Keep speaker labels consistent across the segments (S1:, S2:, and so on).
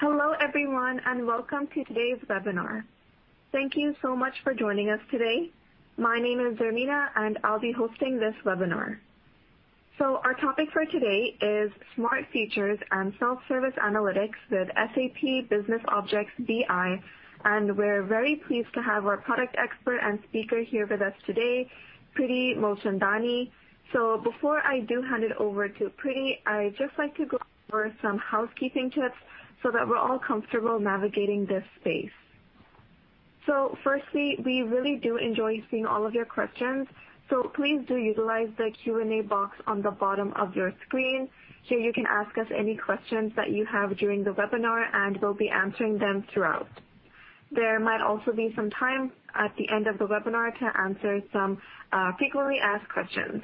S1: Hello everyone, and welcome to today's webinar. Thank you so much for joining us today. My name is Zarmina, and I'll be hosting this webinar. Our topic for today is Smart Features and self-service analytics with SAP BusinessObjects BI, and we're very pleased to have our product expert and speaker here with us today, Priti Mulchandani. Before I do hand it over to Priti, I'd just like to go over some housekeeping tips so that we're all comfortable navigating this space. Firstly, we really do enjoy seeing all of your questions, so please do utilize the Q&A box on the bottom of your screen. You can ask us any questions that you have during the webinar, and we'll be answering them throughout. There might also be some time at the end of the webinar to answer some frequently asked questions.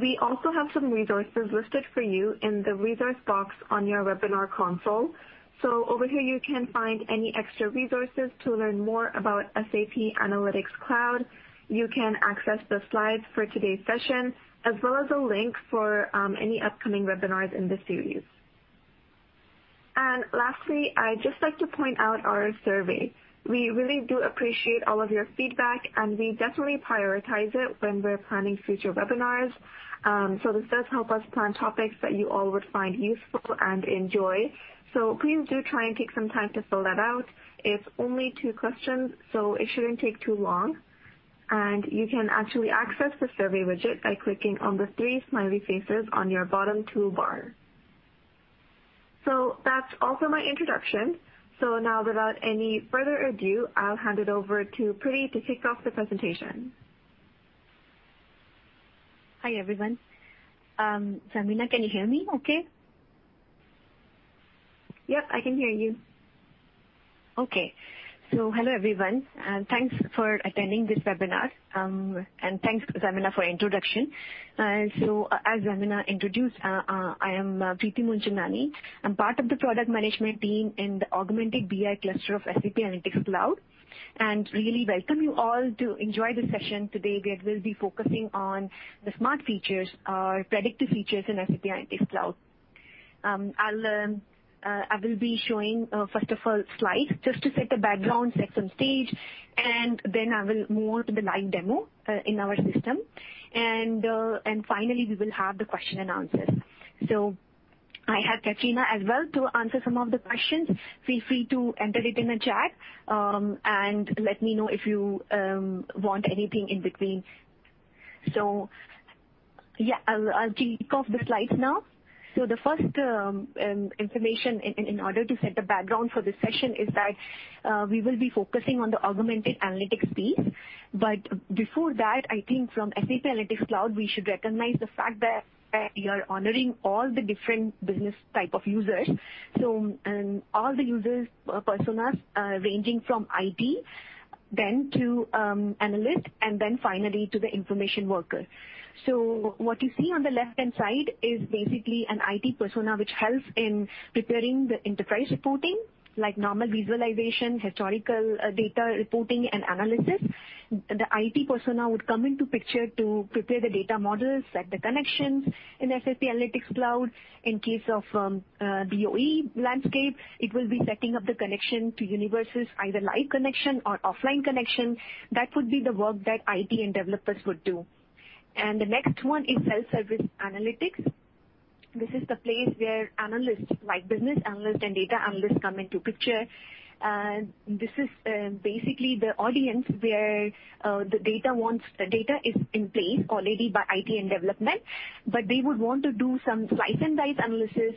S1: We also have some resources listed for you in the resource box on your webinar console. Over here you can find any extra resources to learn more about SAP Analytics Cloud. You can access the slides for today's session, as well as a link for any upcoming webinars in this series. Lastly, I'd just like to point out our survey. We really do appreciate all of your feedback, and we definitely prioritize it when we're planning future webinars. This does help us plan topics that you all would find useful and enjoy. Please do try and take some time to fill that out. It's only two questions, so it shouldn't take too long, and you can actually access the survey widget by clicking on the three smiley faces on your bottom toolbar. That's all for my introduction. Now without any further ado, I'll hand it over to Priti to kick off the presentation.
S2: Hi, everyone. Zarmina, can you hear me okay?
S1: Yep, I can hear you.
S2: Okay. Hello Everyone, and thanks for attending this webinar. Thanks, Zarmina, for introduction. As Zarmina introduced, I am Priti Mulchandani. I'm part of the product management team in the augmented BI cluster of SAP Analytics Cloud, and really welcome you all to enjoy the session today, where we'll be focusing on the Smart Features or predictive features in SAP Analytics Cloud. I will be showing, first of all, slides just to set the background, set some stage, and then I will move to the live demo, in our system. Finally we will have the question and answers. I have Katrina as well to answer some of the questions. Feel free to enter it in the chat, and let me know if you want anything in between. Yeah, I'll kick off the slides now. The first information in order to set the background for this session is that we will be focusing on the augmented analytics piece. Before that, I think from SAP Analytics Cloud, we should recognize the fact that we are honoring all the different business type of users. All the users personas, ranging from IT, then to analyst, and then finally to the information worker. What you see on the left-hand side is basically an IT persona, which helps in preparing the enterprise reporting, like normal visualization, historical data reporting, and analysis. The IT persona would come into picture to prepare the data models, set the connections in SAP Analytics Cloud. In case of BOE landscape, it will be setting up the connection to universes, either live connection or offline connection. That would be the work that IT and developers would do. The next one is self-service analytics. This is the place where analysts, like business analysts and data analysts, come into picture. This is basically the audience where the data is in place already by IT and development, but they would want to do some slice and dice analysis,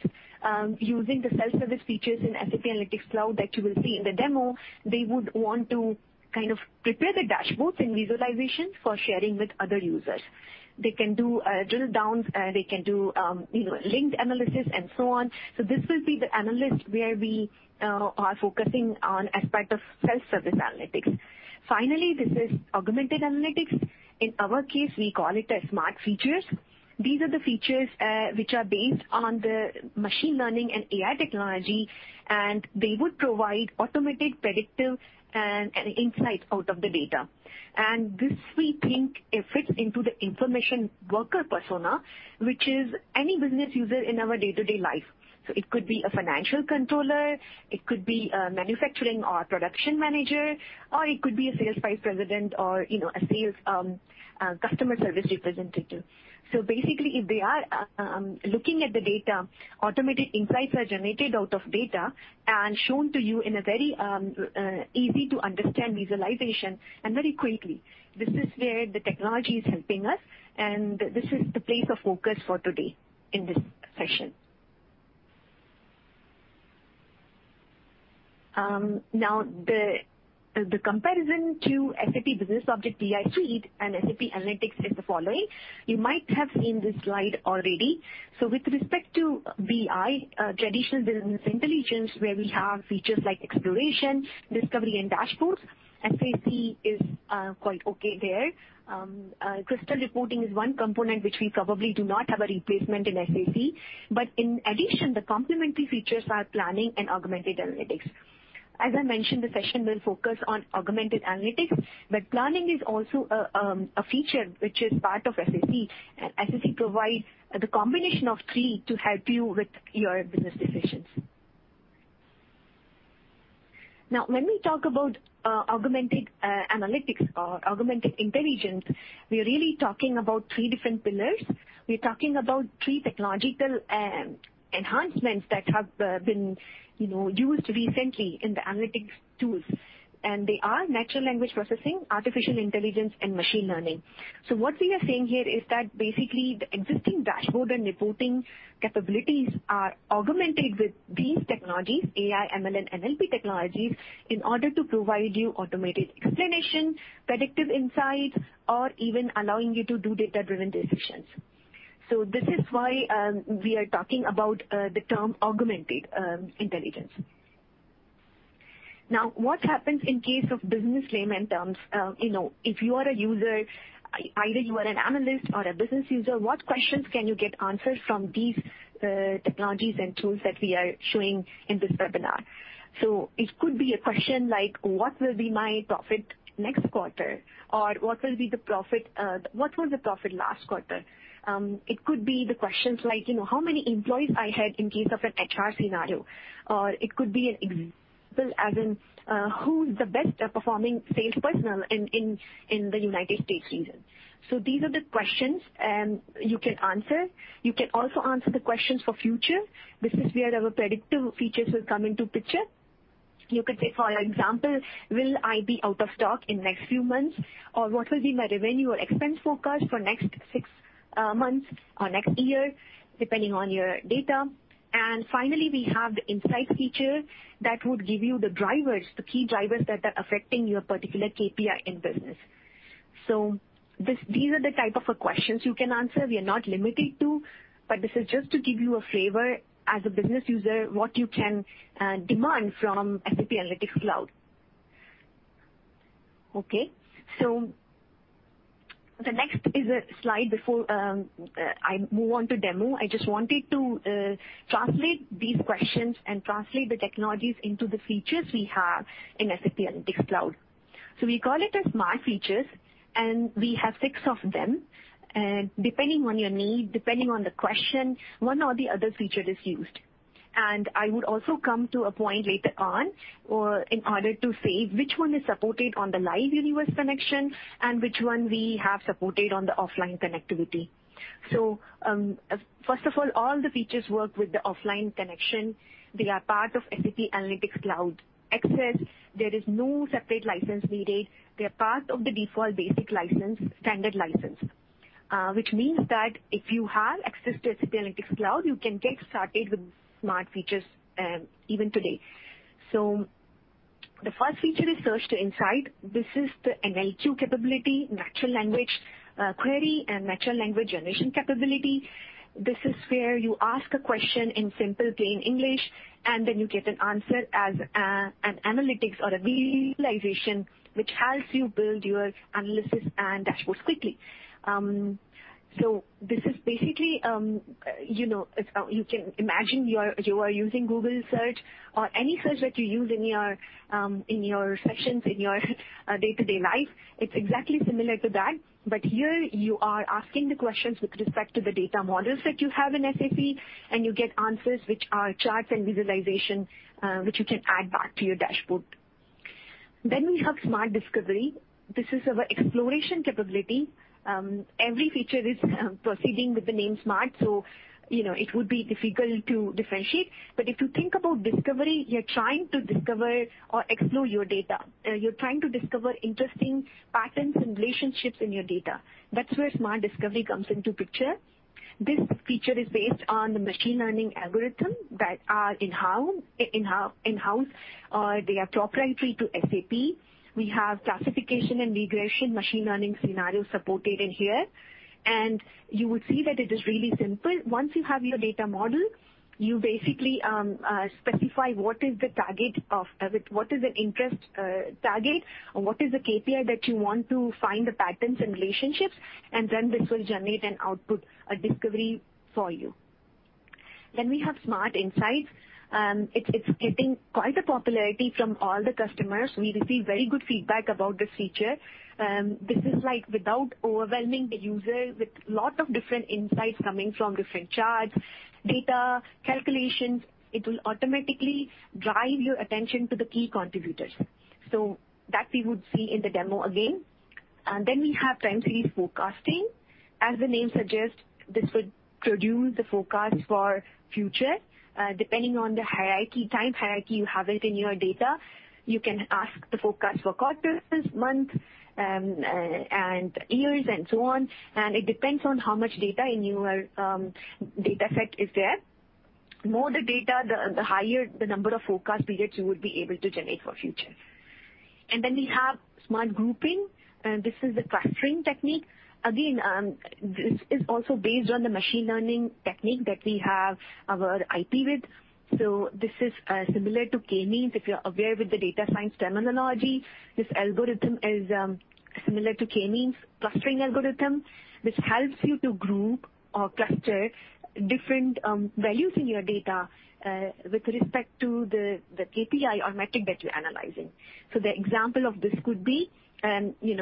S2: using the self-service features in SAP Analytics Cloud that you will see in the demo. They would want to kind of prepare the dashboards and visualizations for sharing with other users. They can do drill downs, they can do linked analysis and so on. This will be the analyst where we are focusing on aspect of self-service analytics. Finally, this is augmented analytics. In our case, we call it as Smart Features. These are the features which are based on the machine learning and AI technology, and they would provide automated predictive and insight out of the data. This, we think it fits into the information worker persona, which is any business user in our day-to-day life. It could be a financial controller, it could be a manufacturing or production manager, or it could be a sales vice president or a sales customer service representative. Basically if they are looking at the data, automated insights are generated out of data and shown to you in a very easy-to-understand visualization and very quickly. This is where the technology is helping us, and this is the place of focus for today in this session. The comparison to SAP BusinessObjects BI suite and SAP Analytics is the following. You might have seen this slide already. With respect to BI, traditional business intelligence, where we have features like exploration, discovery, and dashboards, SAC is quite okay there. Crystal reporting is one component which we probably do not have a replacement in SAC, but in addition, the complementary features are planning and augmented analytics. As I mentioned, the session will focus on augmented analytics, but planning is also a feature which is part of SAP. SAP provides the combination of three to help you with your business decisions. When we talk about augmented analytics or augmented intelligence, we are really talking about three different pillars. We're talking about three technological enhancements that have been used recently in the analytics tools, and they are natural language processing, artificial intelligence, and machine learning. What we are saying here is that basically the existing dashboard and reporting capabilities are augmented with these technologies, AI, ML, and NLP technologies, in order to provide you automated explanation, predictive insights, or even allowing you to do data-driven decisions. This is why we are talking about the term augmented intelligence. What happens in case of business layman terms, if you are a user, either you are an analyst or a business user, what questions can you get answered from these technologies and tools that we are showing in this webinar? It could be a question like, "What will be my profit next quarter?" Or, "What was the profit last quarter?" It could be the questions like, "How many employees I had in case of an HR scenario?" Or it could be an example as in, "Who's the best performing salesperson in the U.S. region?" These are the questions you can answer. You can also answer the questions for future. This is where our predictive features will come into picture. You could say, for example, "Will I be out of stock in next few months?" Or, "What will be my revenue or expense forecast for next six months or next year?" Depending on your data. Finally, we have the insights feature that would give you the drivers, the key drivers that are affecting your particular KPI in business. These are the type of questions you can answer. We are not limited to, but this is just to give you a flavor as a business user, what you can demand from SAP Analytics Cloud. Okay. The next is a slide before I move on to demo. I just wanted to translate these questions and translate the technologies into the features we have in SAP Analytics Cloud. We call it a Smart Features, and we have six of them. Depending on your need, depending on the question, one or the other feature is used. I would also come to a point later on in order to say which one is supported on the Live UNX connection and which one we have supported on the offline connectivity. First of all the features work with the offline connection. They are part of SAP Analytics Cloud. There is no separate license needed. They are part of the default basic license, standard license, which means that if you have access to SAP Analytics Cloud, you can get started with Smart Features even today. The first feature is Search to Insight. This is the NLQ capability, natural language query, and natural language generation capability. This is where you ask a question in simple, plain English, and then you get an answer as an analytics or a visualization, which helps you build your analysis and dashboards quickly. This is basically, you can imagine you are using Google Search or any search that you use in your sessions, in your day-to-day life. It's exactly similar to that, but here you are asking the questions with respect to the data models that you have in SAP, and you get answers, which are charts and visualization, which you can add back to your dashboard. We have Smart Discovery. This is our exploration capability. Every feature is proceeding with the name smart, so it would be difficult to differentiate. If you think about discovery, you're trying to discover or explore your data. You're trying to discover interesting patterns and relationships in your data. That's where Smart Discovery comes into picture. This feature is based on the machine learning algorithm that are in-house. They are proprietary to SAP. We have classification and regression machine learning scenarios supported in here, and you would see that it is really simple. Once you have your data model, you basically specify what is the target of it, what is the interest target, and what is the KPI that you want to find the patterns and relationships, and then this will generate an output, a discovery for you. We have Smart Insights. It's getting quite a popularity from all the customers. We receive very good feedback about this feature. This is, without overwhelming the user with lot of different insights coming from different charts, data, calculations, it will automatically drive your attention to the key contributors. That we would see in the demo again. We have time series forecasting. As the name suggests, this would produce the forecast for future. Depending on the hierarchy, time hierarchy, you have it in your data, you can ask the forecast for quarters, months, and years, and so on, and it depends on how much data in your dataset is there. The more the data, the higher the number of forecast periods you would be able to generate for future. We have Smart Grouping. This is the clustering technique. Again, this is also based on the machine learning technique that we have our IP with. This is similar to K-means. If you're aware with the data science terminology, this algorithm is similar to K-means clustering algorithm, which helps you to group or cluster different values in your data, with respect to the KPI or metric that you're analyzing. The example of this could be,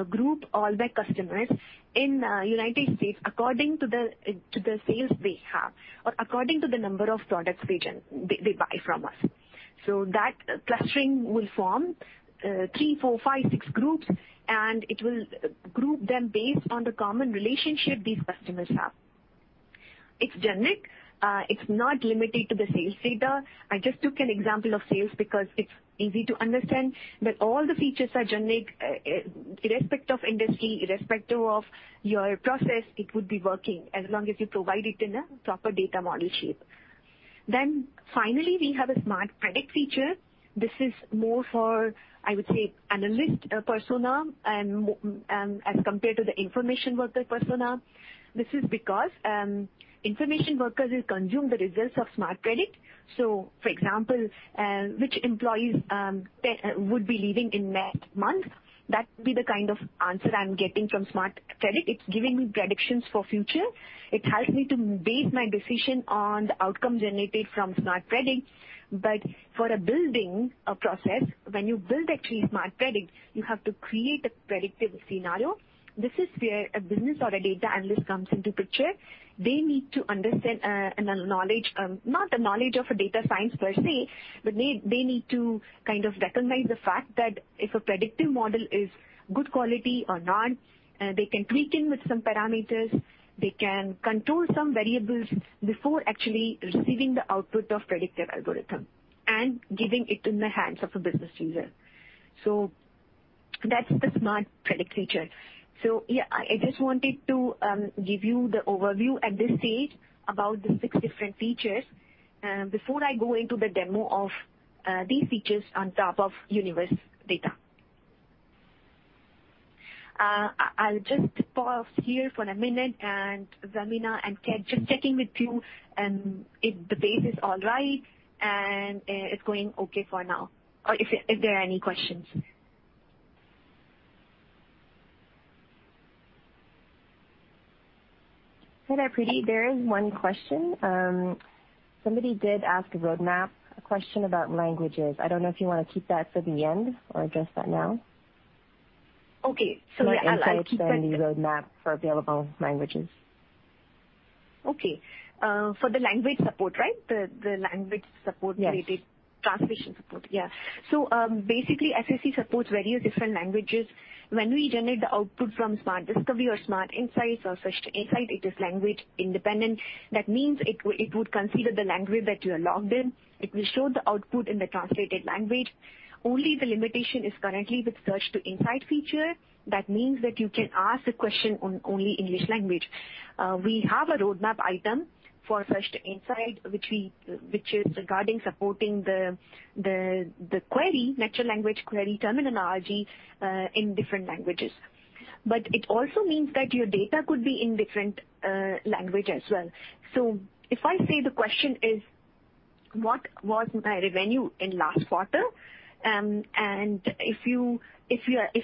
S2: group all the customers in U.S., according to the sales they have or according to the number of products they buy from us. That clustering will form three, four, five, six groups, and it will group them based on the common relationship these customers have. It's generic. It's not limited to the sales data. I just took an example of sales because it's easy to understand. All the features are generic, irrespective of industry, irrespective of your process, it would be working as long as you provide it in a proper data model shape. Finally, we have a Smart Predict feature. This is more for, I would say, analyst persona as compared to the information worker persona. This is because information workers will consume the results of Smart Predict. For example, which employees would be leaving in next month. That would be the kind of answer I'm getting from Smart Predict. It's giving me predictions for future. It helps me to base my decision on the outcome generated from Smart Predict. For building a process, when you build actually Smart Predict, you have to create a predictive scenario. This is where a business or a data analyst comes into picture. They need to understand, not the knowledge of a data science per se, but they need to recognize the fact that if a predictive model is good quality or not, they can tweak in with some parameters. They can control some variables before actually receiving the output of predictive algorithm and giving it in the hands of a business user. That's the Smart Predict feature. Yeah, I just wanted to give you the overview at this stage about the six different features before I go into the demo of these features on top of universe data. I'll just pause here for a minute and, Zarmina and Kat, just checking with you if the pace is all right, and it's going okay for now, or if there are any questions.
S3: Hi there, Priti. There is one question. Somebody did ask a roadmap, a question about languages. I don't know if you want to keep that for the end or address that now.
S2: Okay.
S3: The roadmap for available languages.
S2: Okay. For the language support, right? The language support.
S3: Yes
S2: related translation support. Yeah. Basically, SAC supports various different languages. When we generate the output from Smart Discovery or Smart Insights or Search to Insight, it is language independent. That means it would consider the language that you are logged in. It will show the output in the translated language. Only the limitation is currently with Search to Insight feature. That means that you can ask the question on only English language. We have a roadmap item for Search to Insight, which is regarding supporting the natural language query terminology, in different languages. It also means that your data could be in different language as well. If I say the question is, what was my revenue in last quarter? If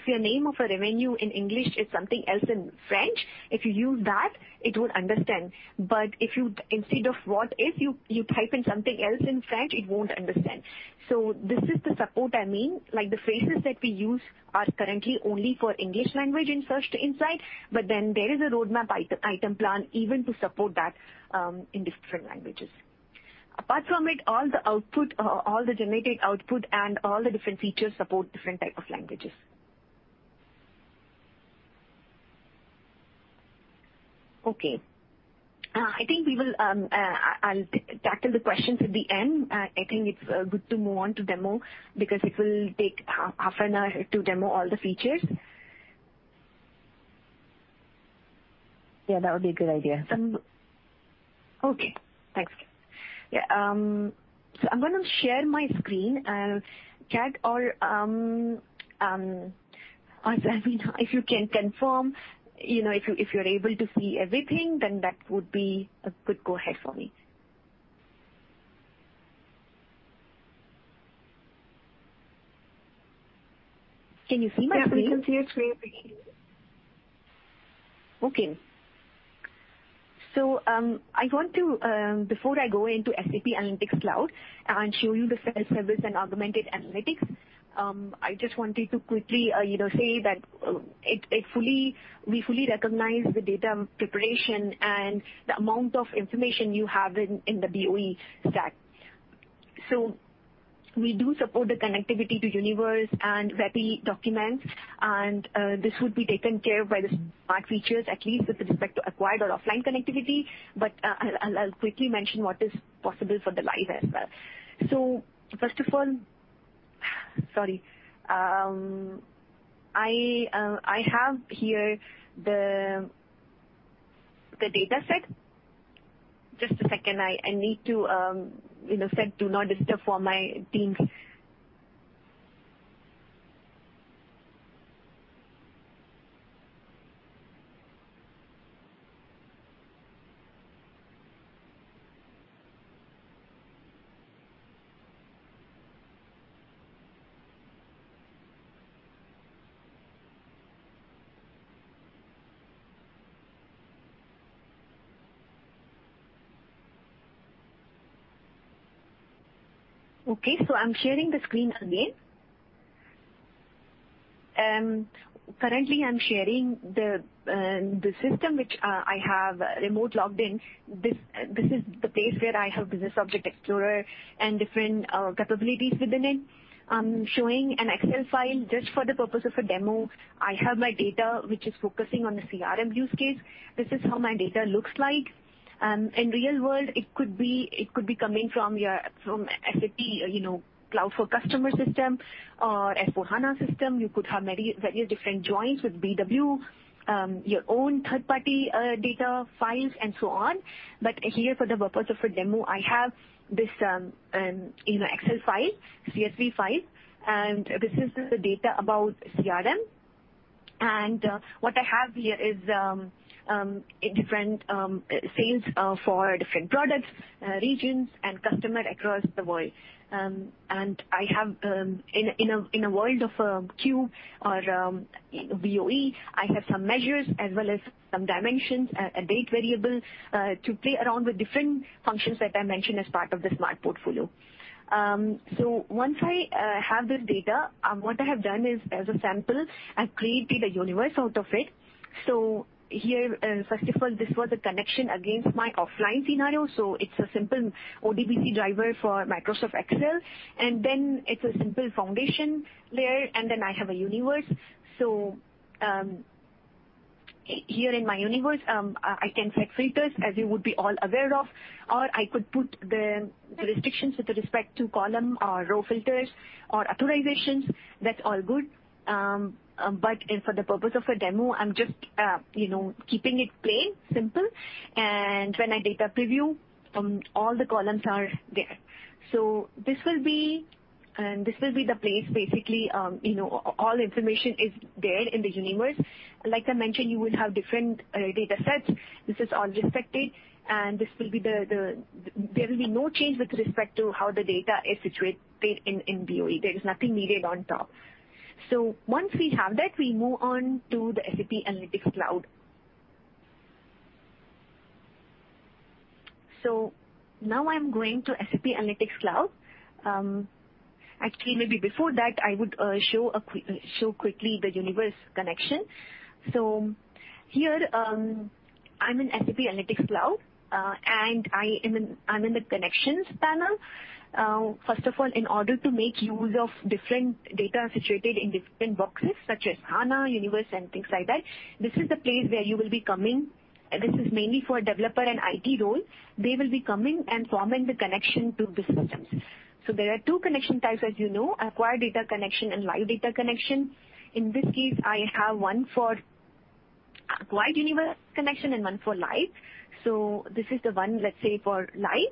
S2: your name of a revenue in English is something else in French, if you use that, it would understand. If instead of what if, you type in something else in French, it won't understand. This is the support I mean. The phrases that we use are currently only for English language in Search to Insight, there is a roadmap item plan even to support that in different languages. Apart from it, all the generated output and all the different features support different type of languages. I think I'll tackle the questions at the end. I think it's good to move on to demo because it will take half an hour to demo all the features.
S3: Yeah, that would be a good idea.
S2: Okay, thanks. Yeah, I'm going to share my screen. Kat or Zarmina, if you can confirm, if you're able to see everything, that would be a good go ahead for me. Can you see my screen?
S1: Yeah, we can see your screen, Priti.
S2: Before I go into SAP Analytics Cloud and show you the self-service and augmented analytics, I just wanted to quickly say that we fully recognize the data preparation and the amount of information you have in the BOE stack. We do support the connectivity to Universe and WebI documents, and this would be taken care of by the Smart Features, at least with respect to acquired or offline connectivity. I'll quickly mention what is possible for the live as well. First of all, sorry. I have here the dataset. Just a second. I need to set do not disturb for my Teams. Okay, I'm sharing the screen again. Currently, I'm sharing the system which I have remote logged in. This is the place where I have BusinessObjects Explorer and different capabilities within it. I'm showing an Excel file just for the purpose of a demo. I have my data, which is focusing on the CRM use case. This is how my data looks like. In real world, it could be coming from SAP Cloud for Customer system or S/4HANA system. You could have many different joins with BW, your own third-party data files, so on. Here, for the purpose of a demo, I have this Excel file, CSV file, this is the data about CRM. What I have here is different sales for different products, regions, and customer across the world. I have, in a world of Cube or BOE, I have some measures as well as some dimensions, a date variable, to play around with different functions that I mentioned as part of the Smart Assist portfolio. Once I have this data, what I have done is, as a sample, I've created a universe out of it. Here, first of all, this was a connection against my offline scenario. It's a simple ODBC driver for Microsoft Excel. It's a simple foundation layer, and then I have a universe. Here in my universe, I can set filters, as you would be all aware of, or I could put the restrictions with respect to column or row filters or authorizations. That's all good. For the purpose of a demo, I'm just keeping it plain, simple. When I data preview, all the columns are there. This will be the place, basically, all information is there in the universe. Like I mentioned, you would have different data sets. This is all respected, and there will be no change with respect to how the data is situated in BOE. There is nothing needed on top. Once we have that, we move on to the SAP Analytics Cloud. Now I'm going to SAP Analytics Cloud. Actually, maybe before that, I would show quickly the Universe connection. Here, I'm in SAP Analytics Cloud, and I'm in the Connections panel. First of all, in order to make use of different data situated in different boxes, such as HANA, Universe, and things like that, this is the place where you will be coming. This is mainly for developer and IT roles. They will be coming and forming the connection to the systems. There are two connection types, as you know, acquired data connection and live data connection. In this case, I have one for acquired Universe connection and one for Live. This is the one, let's say, for Live.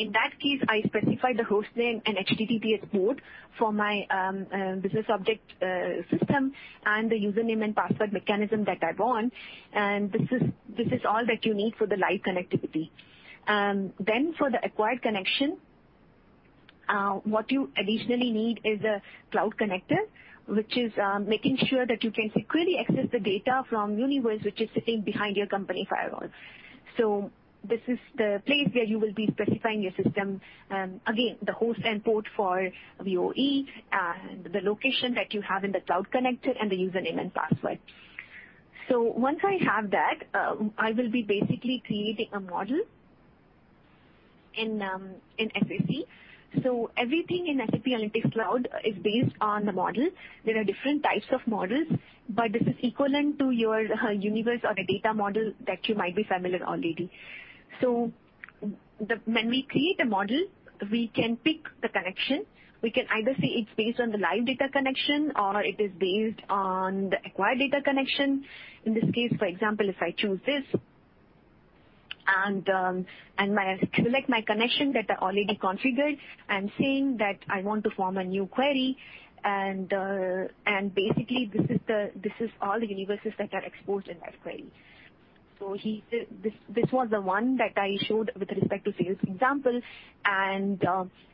S2: In that case, I specify the hostname and HTTPS port for my BusinessObjects system and the username and password mechanism that I want. This is all that you need for the Live connectivity. For the acquired connection, what you additionally need is a Cloud Connector, which is making sure that you can securely access the data from Universe, which is sitting behind your company firewall. This is the place where you will be specifying your system. Again, the host and port for BOE, the location that you have in the Cloud Connector, and the username and password. Once I have that, I will be basically creating a model in SAC. Everything in SAP Analytics Cloud is based on the model. There are different types of models, but this is equivalent to your universe or the data model that you might be familiar already. When we create a model, we can pick the connection. We can either say it's based on the live data connection or it is based on the acquired data connection. In this case, for example, if I choose this and select my connection that I already configured, I'm saying that I want to form a new query, and basically, this is all the universes that are exposed in that query. This was the one that I showed with respect to sales example.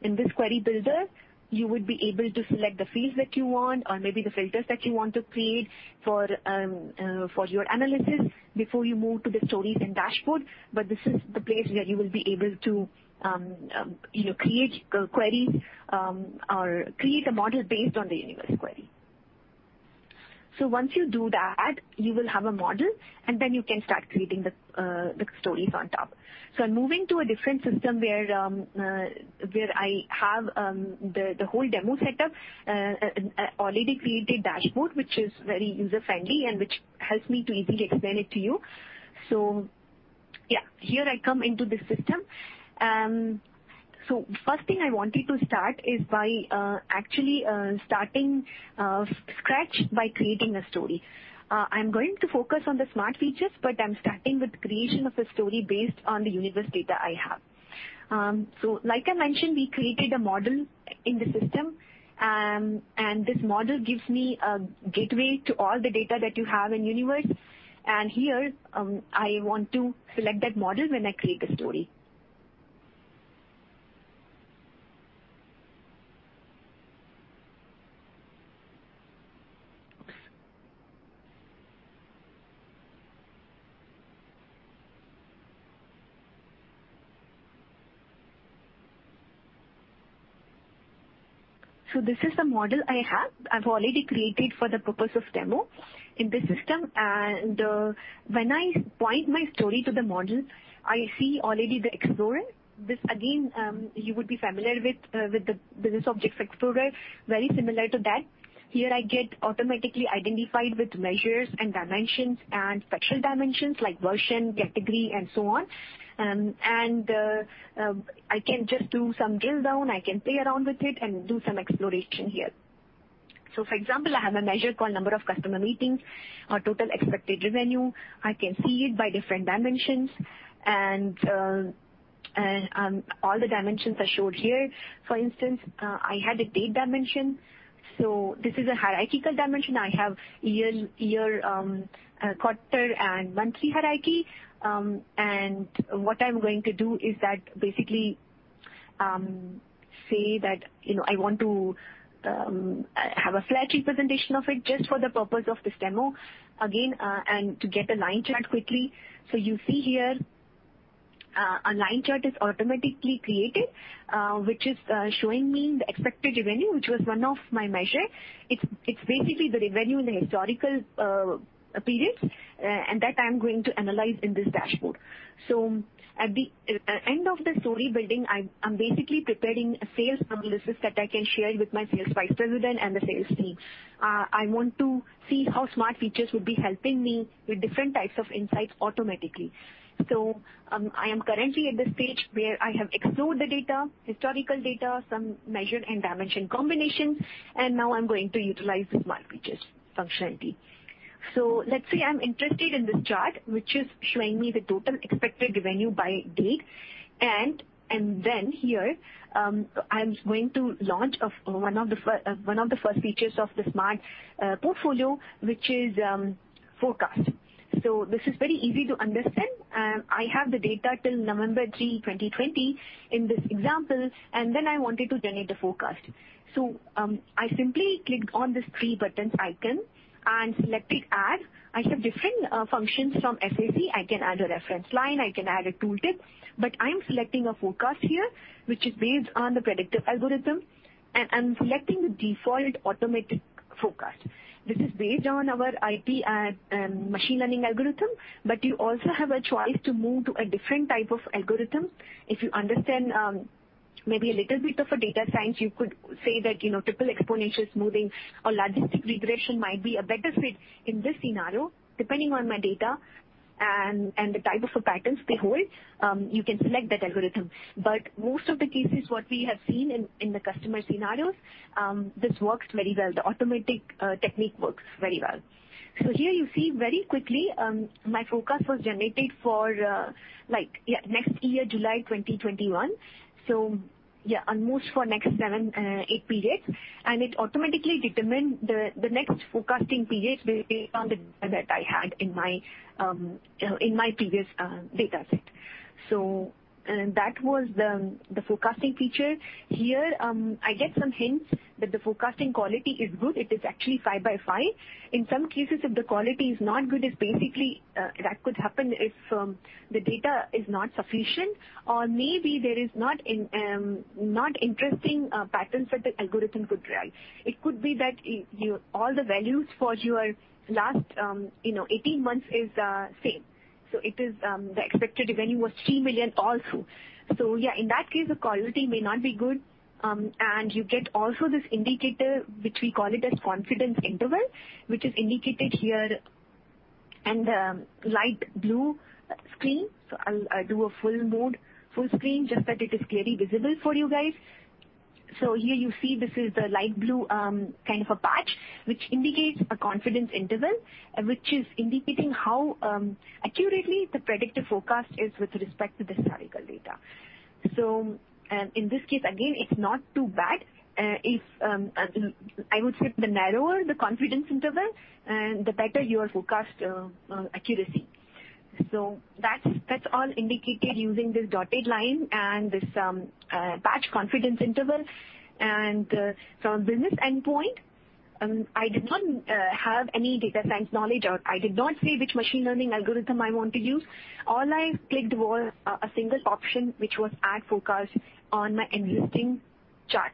S2: In this query builder, you would be able to select the fields that you want or maybe the filters that you want to create for your analysis before you move to the stories and dashboards. This is the place where you will be able to create queries or create a model based on the Universe query. Once you do that, you will have a model, you can start creating the stories on top. I'm moving to a different system where I have the whole demo set up. I already created a dashboard, which is very user-friendly and which helps me to easily explain it to you. Here I come into this system. First thing I wanted to start is by actually starting from scratch by creating a story. I'm going to focus on the Smart Features, but I'm starting with creation of a story based on the Universe data I have. Like I mentioned, we created a model in the system, and this model gives me a gateway to all the data that you have in Universe. Here, I want to select that model when I create a story. This is the model I have. I've already created for the purpose of demo in this system. When I point my story to the model, I see already the Explorer. This, again, you would be familiar with the BusinessObjects Explorer, very similar to that. Here I get automatically identified with measures and dimensions and special dimensions like version, category, and so on. I can just do some drill down, I can play around with it and do some exploration here. For example, I have a measure called number of customer meetings or total expected revenue. I can see it by different dimensions and all the dimensions are showed here. For instance, I had a date dimension. This is a hierarchical dimension. I have year, quarter, and monthly hierarchy. What I'm going to do is that basically, say that, I want to have a flat representation of it just for the purpose of this demo, again, and to get a line chart quickly. You see here, a line chart is automatically created, which is showing me the expected revenue, which was one of my measure. It's basically the revenue in the historical periods, and that I'm going to analyze in this dashboard. At the end of the story building, I'm basically preparing a sales analysis that I can share with my sales vice president and the sales team. I want to see how Smart Features would be helping me with different types of insights automatically. I am currently at the stage where I have explored the data, historical data, some measure and dimension combinations, and now I'm going to utilize the Smart Features functionality. Let's say I'm interested in this chart, which is showing me the total expected revenue by date. Here, I'm going to launch one of the first features of the Smart portfolio, which is forecast. This is very easy to understand. I have the data till November 3, 2020 in this example, and then I wanted to generate the forecast. I simply clicked on this three buttons icon and selected add. I have different functions from SAP. I can add a reference line, I can add a tool tip, but I'm selecting a forecast here, which is based on the predictive algorithm. I'm selecting the default automated forecast. This is based on our IP and machine learning algorithm, but you also have a choice to move to a different type of algorithm. If you understand maybe a little bit of a data science, you could say that triple exponential smoothing or logistic regression might be a better fit in this scenario, depending on my data and the type of patterns they hold. You can select that algorithm. Most of the cases, what we have seen in the customer scenarios, this works very well. The automatic technique works very well. Here you see very quickly, my forecast was generated for next year, July 2021. Yeah, almost for next seven, eight periods. It automatically determined the next forecasting period based on the data that I had in my previous dataset. That was the forecasting feature. Here, I get some hints that the forecasting quality is good. It is actually five by five. In some cases, if the quality is not good, it is basically that could happen if the data is not sufficient or maybe there is not interesting patterns that the algorithm could derive. It could be that all the values for your last 18 months is same. It is the expected revenue was 3 million also. Yeah, in that case, the quality may not be good, and you get also this indicator, which we call it as confidence interval, which is indicated here in the light blue screen. I'll do a full mode full screen just that it is clearly visible for you guys. Here you see this is the light blue kind of a patch, which indicates a confidence interval, which is indicating how accurately the predictive forecast is with respect to the historical data. In this case, again, it's not too bad. I would say the narrower the confidence interval, the better your forecast accuracy. That's all indicated using this dotted line and this patch confidence interval. From business endpoint, I did not have any data science knowledge, or I did not say which machine learning algorithm I want to use. All I clicked was a single option, which was add forecast on my existing chart.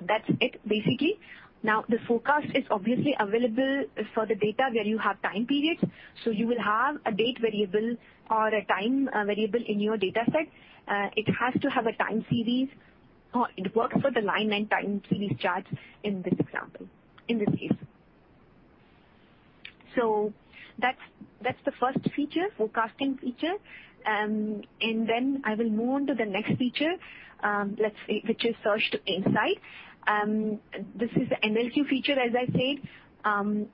S2: That's it basically. The forecast is obviously available for the data where you have time periods, so you will have a date variable or a time variable in your dataset. It has to have a time series, or it works for the line and time series charts in this example, in this case. That's the first feature, forecasting feature. I will move on to the next feature, let's say, which is Search to Insight. This is the NLQ feature, as I said.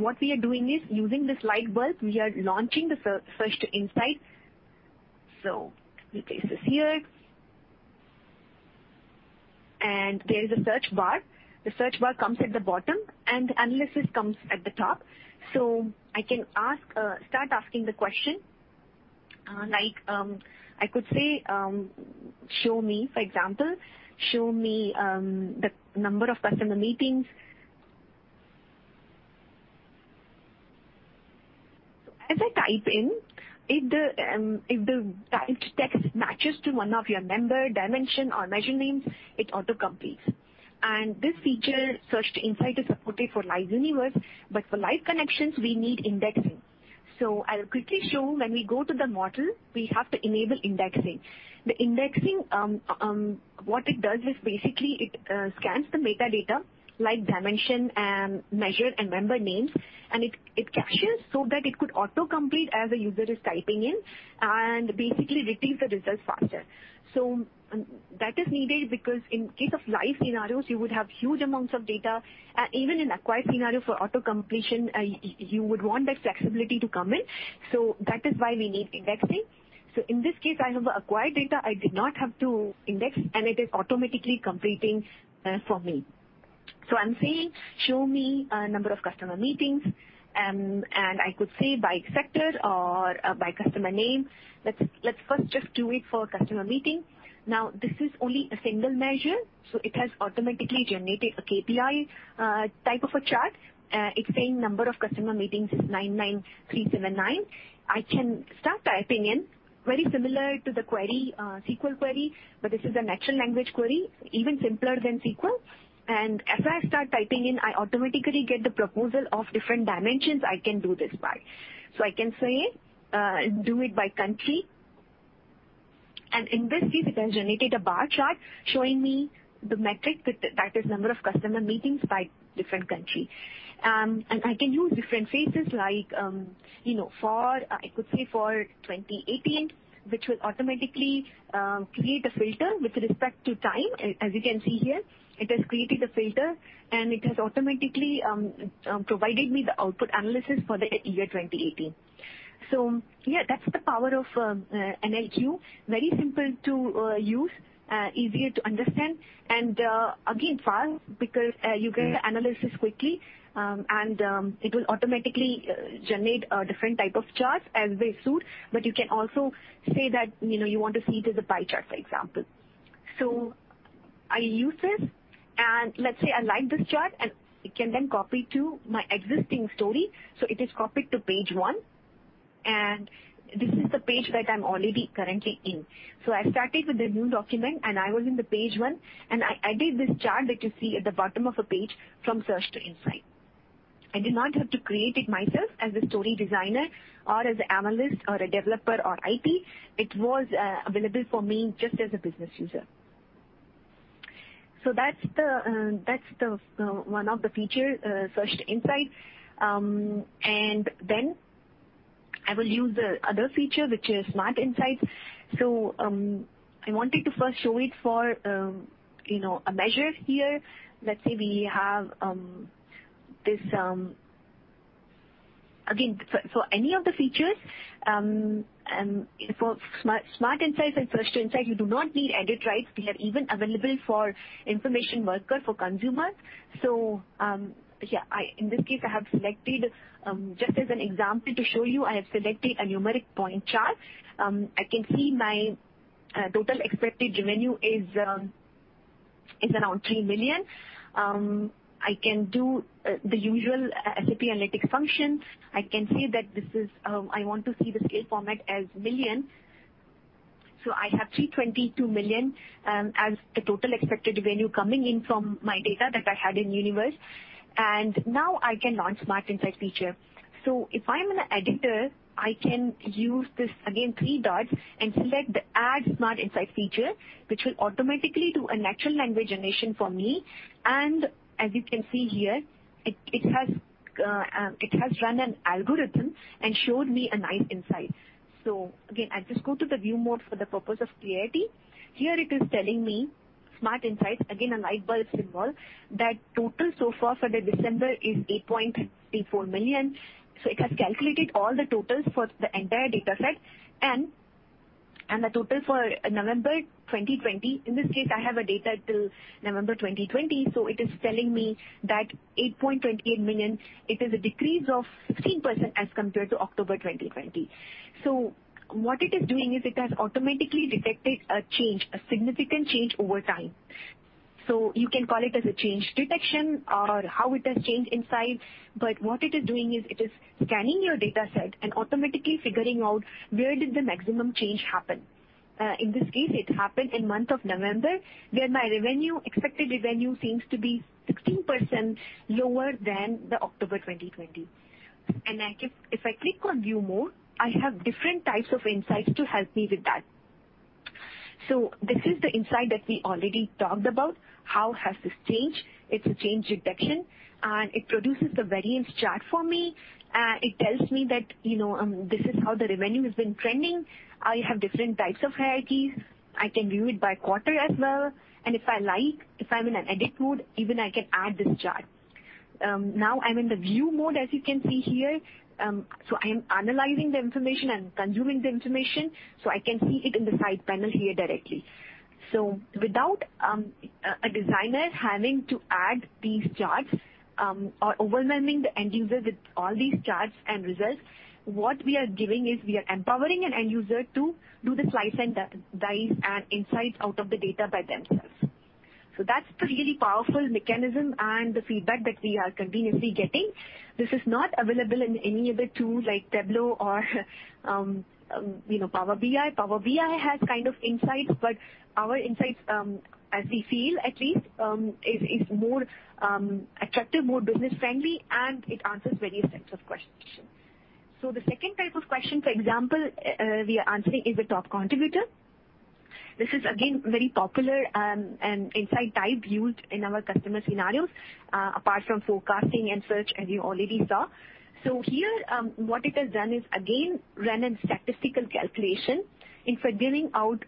S2: What we are doing is using this light bulb, we are launching the Search to Insight. Let me place this here. There is a search bar. The search bar comes at the bottom, and the analysis comes at the top. I can start asking the question. I could say, for example, show me the number of customer meetings. As I type in, if the typed text matches to one of your member dimension or measure names, it auto-completes. This feature, Search to Insight, is supported for Live Universe, but for live connections, we need indexing. I'll quickly show when we go to the model, we have to enable indexing. The indexing, what it does is basically it scans the metadata like dimension, measure, and member names, and it caches so that it could auto-complete as a user is typing in and basically retrieves the results faster. That is needed because in case of live scenarios, you would have huge amounts of data. Even in acquired scenario for auto-completion, you would want that flexibility to come in. That is why we need indexing. In this case, I have acquired data, I did not have to index, and it is automatically completing for me. I'm saying, show me a number of customer meetings, and I could say by sector or by customer name. Let's first just do it for customer meeting. This is only a single measure, so it has automatically generated a KPI type of a chart. It's saying number of customer meetings is 9,937. I can start typing in, very similar to the SQL query, but this is a natural language query, even simpler than SQL. As I start typing in, I automatically get the proposal of different dimensions I can do this by. I can say, do it by country. In this case, it has generated a bar chart showing me the metric that is number of customer meetings by different country. I can use different phases like, I could say for 2018, which will automatically create a filter with respect to time. As you can see here, it has created a filter, and it has automatically provided me the output analysis for the year 2018. Yeah, that's the power of NLQ. Very simple to use, easier to understand, and again, fast because you get the analysis quickly, and it will automatically generate a different type of charts as they suit. You can also say that you want to see it as a pie chart, for example. I use this, and let's say I like this chart and it can then copy to my existing story. It is copied to page one, and this is the page that I'm already currently in. I started with the new document, and I was in the page one, and I did this chart that you see at the bottom of a page from Search to Insight. I did not have to create it myself as a story designer or as an analyst or a developer or IT. It was available for me just as a business user. That's one of the feature, Search to Insight. Then I will use the other feature, which is Smart Insights. I wanted to first show it for a measure here. Let's say we have this, again, for any of the features, for Smart Insights and Search to Insight, you do not need edit rights. They are even available for information worker, for consumers. In this case, I have selected, just as an example to show you, I have selected a numeric point chart. I can see my total expected revenue is around 3 million. I can do the usual SAP analytic function. I can say that I want to see the scale format as million. I have 322 million as the total expected revenue coming in from my data that I had in Universe. Now I can launch Smart Insights feature. If I'm in an editor, I can use this, again, three dots and select the Add Smart Insights feature, which will automatically do a natural language generation for me. As you can see here, it has run an algorithm and showed me a nice insight. Again, I'll just go to the view mode for the purpose of clarity. Here it is telling me, Smart Insights, again, a light bulb symbol, that total so far for the December is 8.34 million. It has calculated all the totals for the entire data set and the total for November 2020. In this case, I have a data till November 2020, so it is telling me that 8.28 million, it is a decrease of 16% as compared to October 2020. What it is doing is it has automatically detected a change, a significant change over time. You can call it as a change detection or how it has changed inside. What it is doing is it is scanning your data set and automatically figuring out where did the maximum change happen. In this case, it happened in month of November, where my revenue, expected revenue seems to be 16% lower than the October 2020. If I click on view more, I have different types of insights to help me with that. This is the insight that we already talked about. How has this changed? It's a change detection, and it produces a variance chart for me. It tells me that this is how the revenue has been trending. I have different types of hierarchies. I can view it by quarter as well. If I like, if I'm in an edit mode, even I can add this chart. Now I'm in the view mode, as you can see here. I am analyzing the information and consuming the information, I can see it in the side panel here directly. Without a designer having to add these charts or overwhelming the end user with all these charts and results, what we are doing is we are empowering an end user to do the slice and dice and insights out of the data by themselves. That's the really powerful mechanism and the feedback that we are continuously getting. This is not available in any other tools like Tableau or Power BI. Power BI has kind of insights, our insights, as we feel at least, is more attractive, more business-friendly, and it answers various sets of questions. The second type of question, for example, we are answering is the top contributor. This is again, very popular and insight type used in our customer scenarios, apart from forecasting and search, as you already saw. Here, what it has done is again, run a statistical calculation. If we're giving out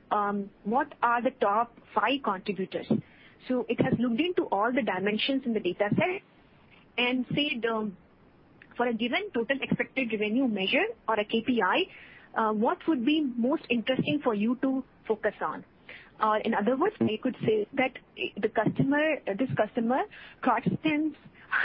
S2: what are the top five contributors, it has looked into all the dimensions in the dataset and said, for a given total expected revenue measure or a KPI, what would be most interesting for you to focus on? In other words, we could say that this customer, Carstens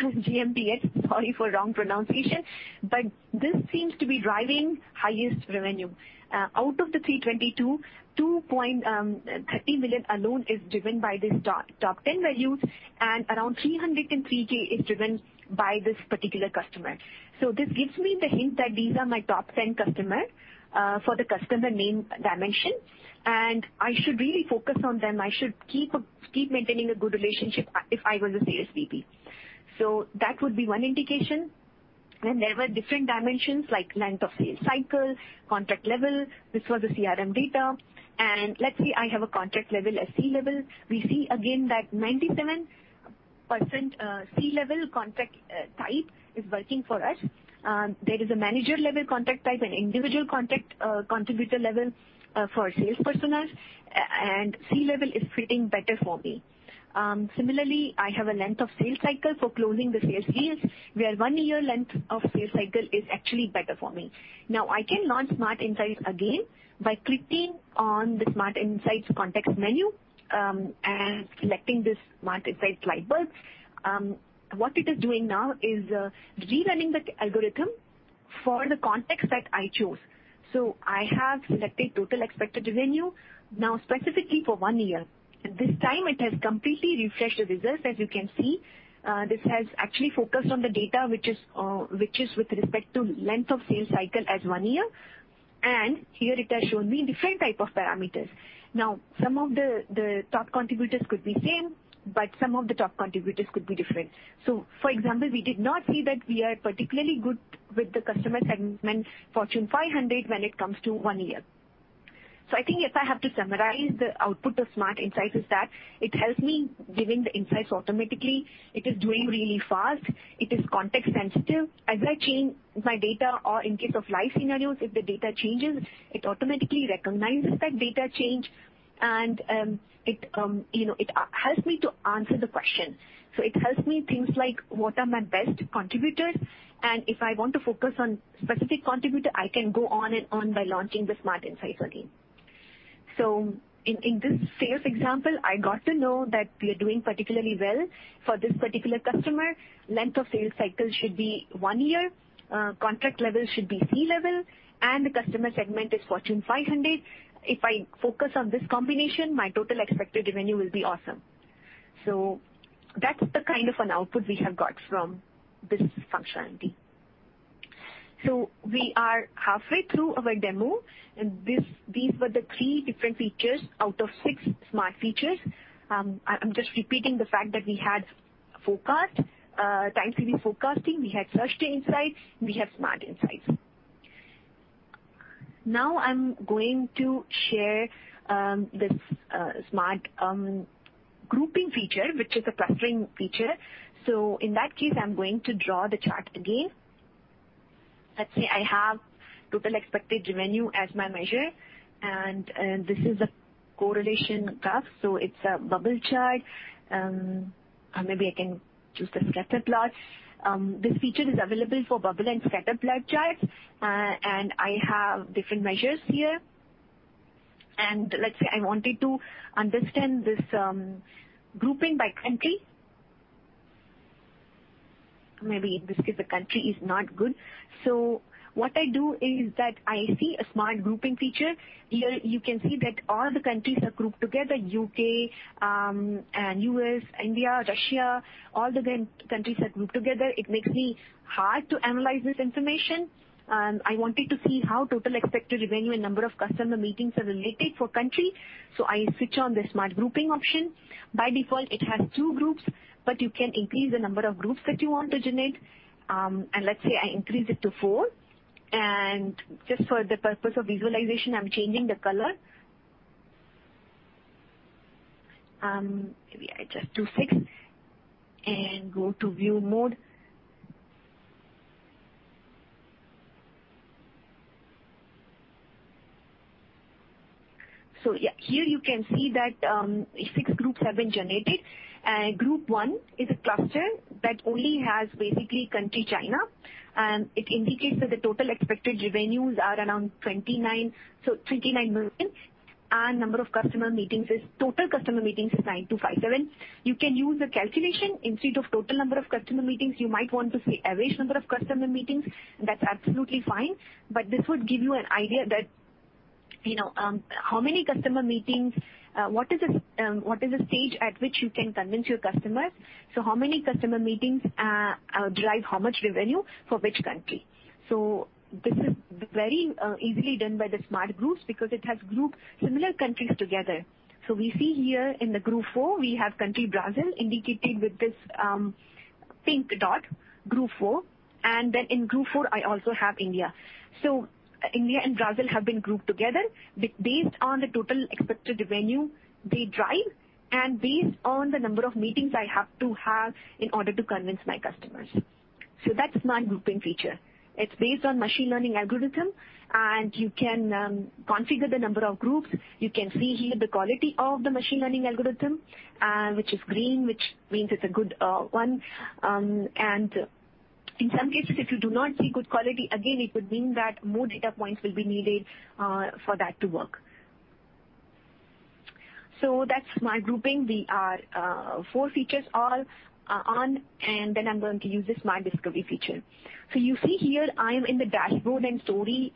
S2: GmbH, sorry for wrong pronunciation, but this seems to be driving highest revenue. Out of the 322, 30 million alone is driven by this top 10 values, and around 303k is driven by this particular customer. This gives me the hint that these are my top 10 customers for the customer name dimension, and I should really focus on them. I should keep maintaining a good relationship if I want to see a CP. That would be one indication. There were different dimensions like length of sales cycle, contract level. This was the CRM data. Let's say I have a contract level, a C-level. We see again that 97% C-level contract type is working for us. There is a manager-level contract type and individual contributor level for sales personnel. C-level is fitting better for me. Similarly, I have a length of sales cycle for closing the sales deals, where one year length of sales cycle is actually better for me. I can launch Smart Insights again by clicking on the Smart Insights context menu, and selecting this Smart Insights light bulb. What it is doing now is rerunning the algorithm for the context that I chose. I have selected total expected revenue, now specifically for one year. This time it has completely refreshed the results. As you can see, this has actually focused on the data, which is with respect to length of sales cycle as one year, and here it has shown me different type of parameters. Some of the top contributors could be same, but some of the top contributors could be different. For example, we did not see that we are particularly good with the customer segment Fortune 500 when it comes to one year. I think if I have to summarize the output of Smart Insights is that it helps me giving the insights automatically. It is doing really fast. It is context sensitive. As I change my data, or in case of live scenarios, if the data changes, it automatically recognizes that data change and it helps me to answer the question. It helps me things like what are my best contributors, and if I want to focus on specific contributor, I can go on and on by launching the Smart Insights again. In this sales example, I got to know that we are doing particularly well for this particular customer. Length of sales cycle should be one year, contract level should be C-level, and the customer segment is Fortune 500. If I focus on this combination, my total expected revenue will be awesome. That's the kind of an output we have got from this functionality. We are halfway through our demo, and these were the three different features out of six Smart Features. I'm just repeating the fact that we had forecast, time-series forecasting, we had search insights, we have Smart Insights. I'm going to share this Smart Grouping feature, which is a clustering feature. In that case, I'm going to draw the chart again. Let's say I have total expected revenue as my measure, and this is a correlation graph, so it's a bubble chart. Maybe I can choose the scatter plot. This feature is available for bubble and scatter plot charts, and I have different measures here. Let's say I wanted to understand this grouping by country. Maybe this is a country is not good. What I do is that I see a Smart Grouping feature. Here you can see that all the countries are grouped together, U.K., U.S., India, Russia, all the countries are grouped together. It makes me hard to analyze this information. I wanted to see how total expected revenue and number of customer meetings are related for country. I switch on the Smart Grouping option. By default, it has two groups, but you can increase the number of groups that you want to generate. Let's say I increase it to four, and just for the purpose of visualization, I'm changing the color. Maybe I just do six and go to view mode. Yeah, here you can see that six groups have been generated. Group one is a cluster that only has basically country China. It indicates that the total expected revenues are around 29 million. Number of customer meetings is total customer meetings is 9,257. You can use the calculation. Instead of total number of customer meetings, you might want to say average number of customer meetings. That's absolutely fine. This would give you an idea that, how many customer meetings, what is the stage at which you can convince your customers? How many customer meetings, drive how much revenue for which country? This is very easily done by the smart groups because it has grouped similar countries together. We see here in the group four, we have country Brazil indicated with this pink dot, group four, and then in group four, I also have India. India and Brazil have been grouped together based on the total expected revenue they drive and based on the number of meetings I have to have in order to convince my customers. That's my grouping feature. It's based on machine learning algorithm, and you can configure the number of groups. You can see here the quality of the machine learning algorithm, which is green, which means it's a good one. In some cases, if you do not see good quality, again, it would mean that more data points will be needed for that to work. That's my grouping. The four features are on, and then I'm going to use the Smart Discovery feature. You see here, I am in the dashboard and story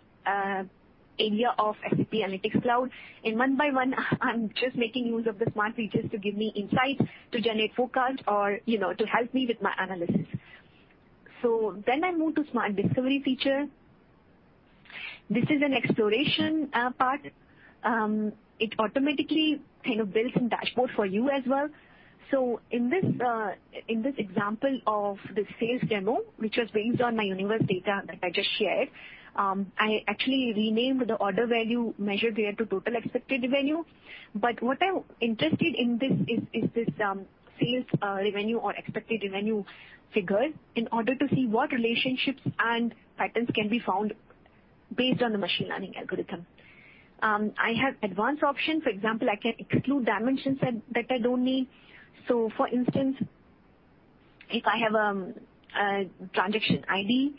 S2: area of SAP Analytics Cloud, and one by one, I'm just making use of the Smart Features to give me insights, to generate forecast, or to help me with my analysis. I move to Smart Discovery feature. This is an exploration part. It automatically kind of builds some dashboard for you as well. In this example of the sales demo, which was based on my Universe data that I just shared, I actually renamed the order value measured here to total expected value. What I'm interested in this is this sales revenue or expected revenue figures in order to see what relationships and patterns can be found based on the machine learning algorithm. I have advanced options. For example, I can exclude dimensions that I don't need. For instance, if I have a transaction ID,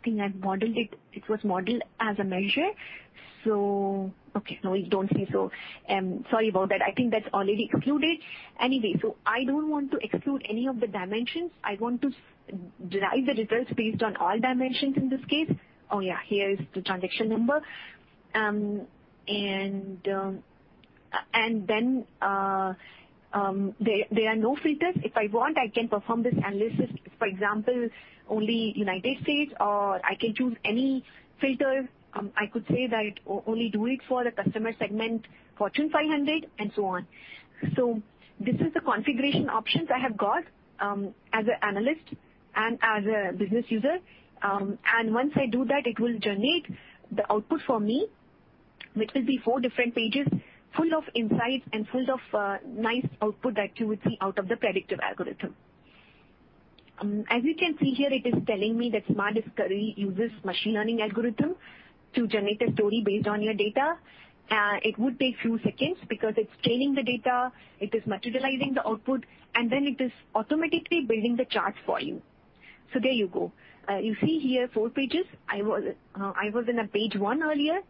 S2: I think I've modeled it. It was modeled as a measure. Okay, no, it don't see, sorry about that. I think that's already excluded. Anyway, I don't want to exclude any of the dimensions. I want to derive the results based on all dimensions in this case. Oh, yeah. Here is the transaction number. Then, there are no filters. If I want, I can perform this analysis, for example, only United States, or I can choose any filter. I could say that only do it for the customer segment, Fortune 500, and so on. This is the configuration options I have got as an analyst and as a business user. Once I do that, it will generate the output for me, which will be four different pages full of insights and full of nice output that you would see out of the predictive algorithm. As you can see here, it is telling me that Smart Discovery uses machine learning algorithm to generate a story based on your data. It would take few seconds because it is training the data, it is materializing the output, and then it is automatically building the charts for you. There you go. You see here four pages. I was in a page one earlier,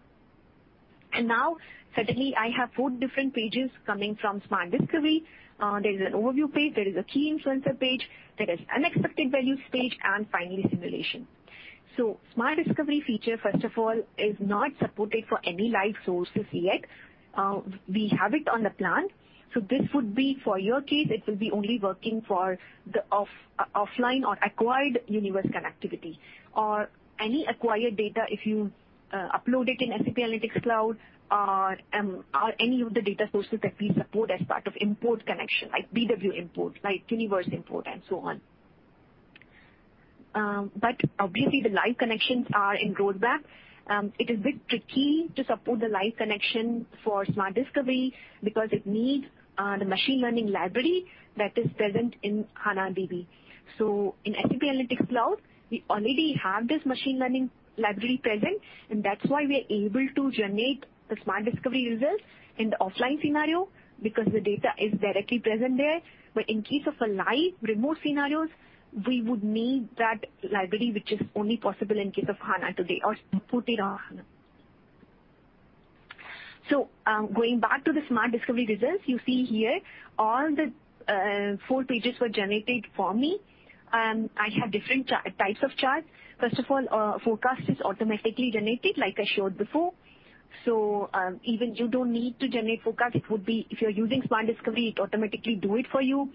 S2: and now suddenly I have four different pages coming from Smart Discovery. There is an overview page, there is a key influencer page, there is unexpected values page, and finally simulation. Smart Discovery feature, first of all, is not supported for any live sources yet. We have it on the plan. This would be, for your case, it will be only working for the offline or acquired Universe connectivity or any acquired data if you upload it in SAP Analytics Cloud or any of the data sources that we support as part of import connection, like BW import, like Universe import and so on. Obviously the live connections are in roadmap. It is a bit tricky to support the live connection for Smart Discovery because it needs the machine learning library that is present in HANA DB. In SAP Analytics Cloud, we already have this machine learning library present, and that's why we are able to generate the Smart Discovery results in the offline scenario because the data is directly present there. In case of a live remote scenarios, we would need that library, which is only possible in case of HANA today or supported on HANA. Going back to the Smart Discovery results, you see here, all the four pages were generated for me. I have different types of charts. First of all, forecast is automatically generated, like I showed before. Even you don't need to generate forecast. If you're using Smart Discovery, it automatically do it for you.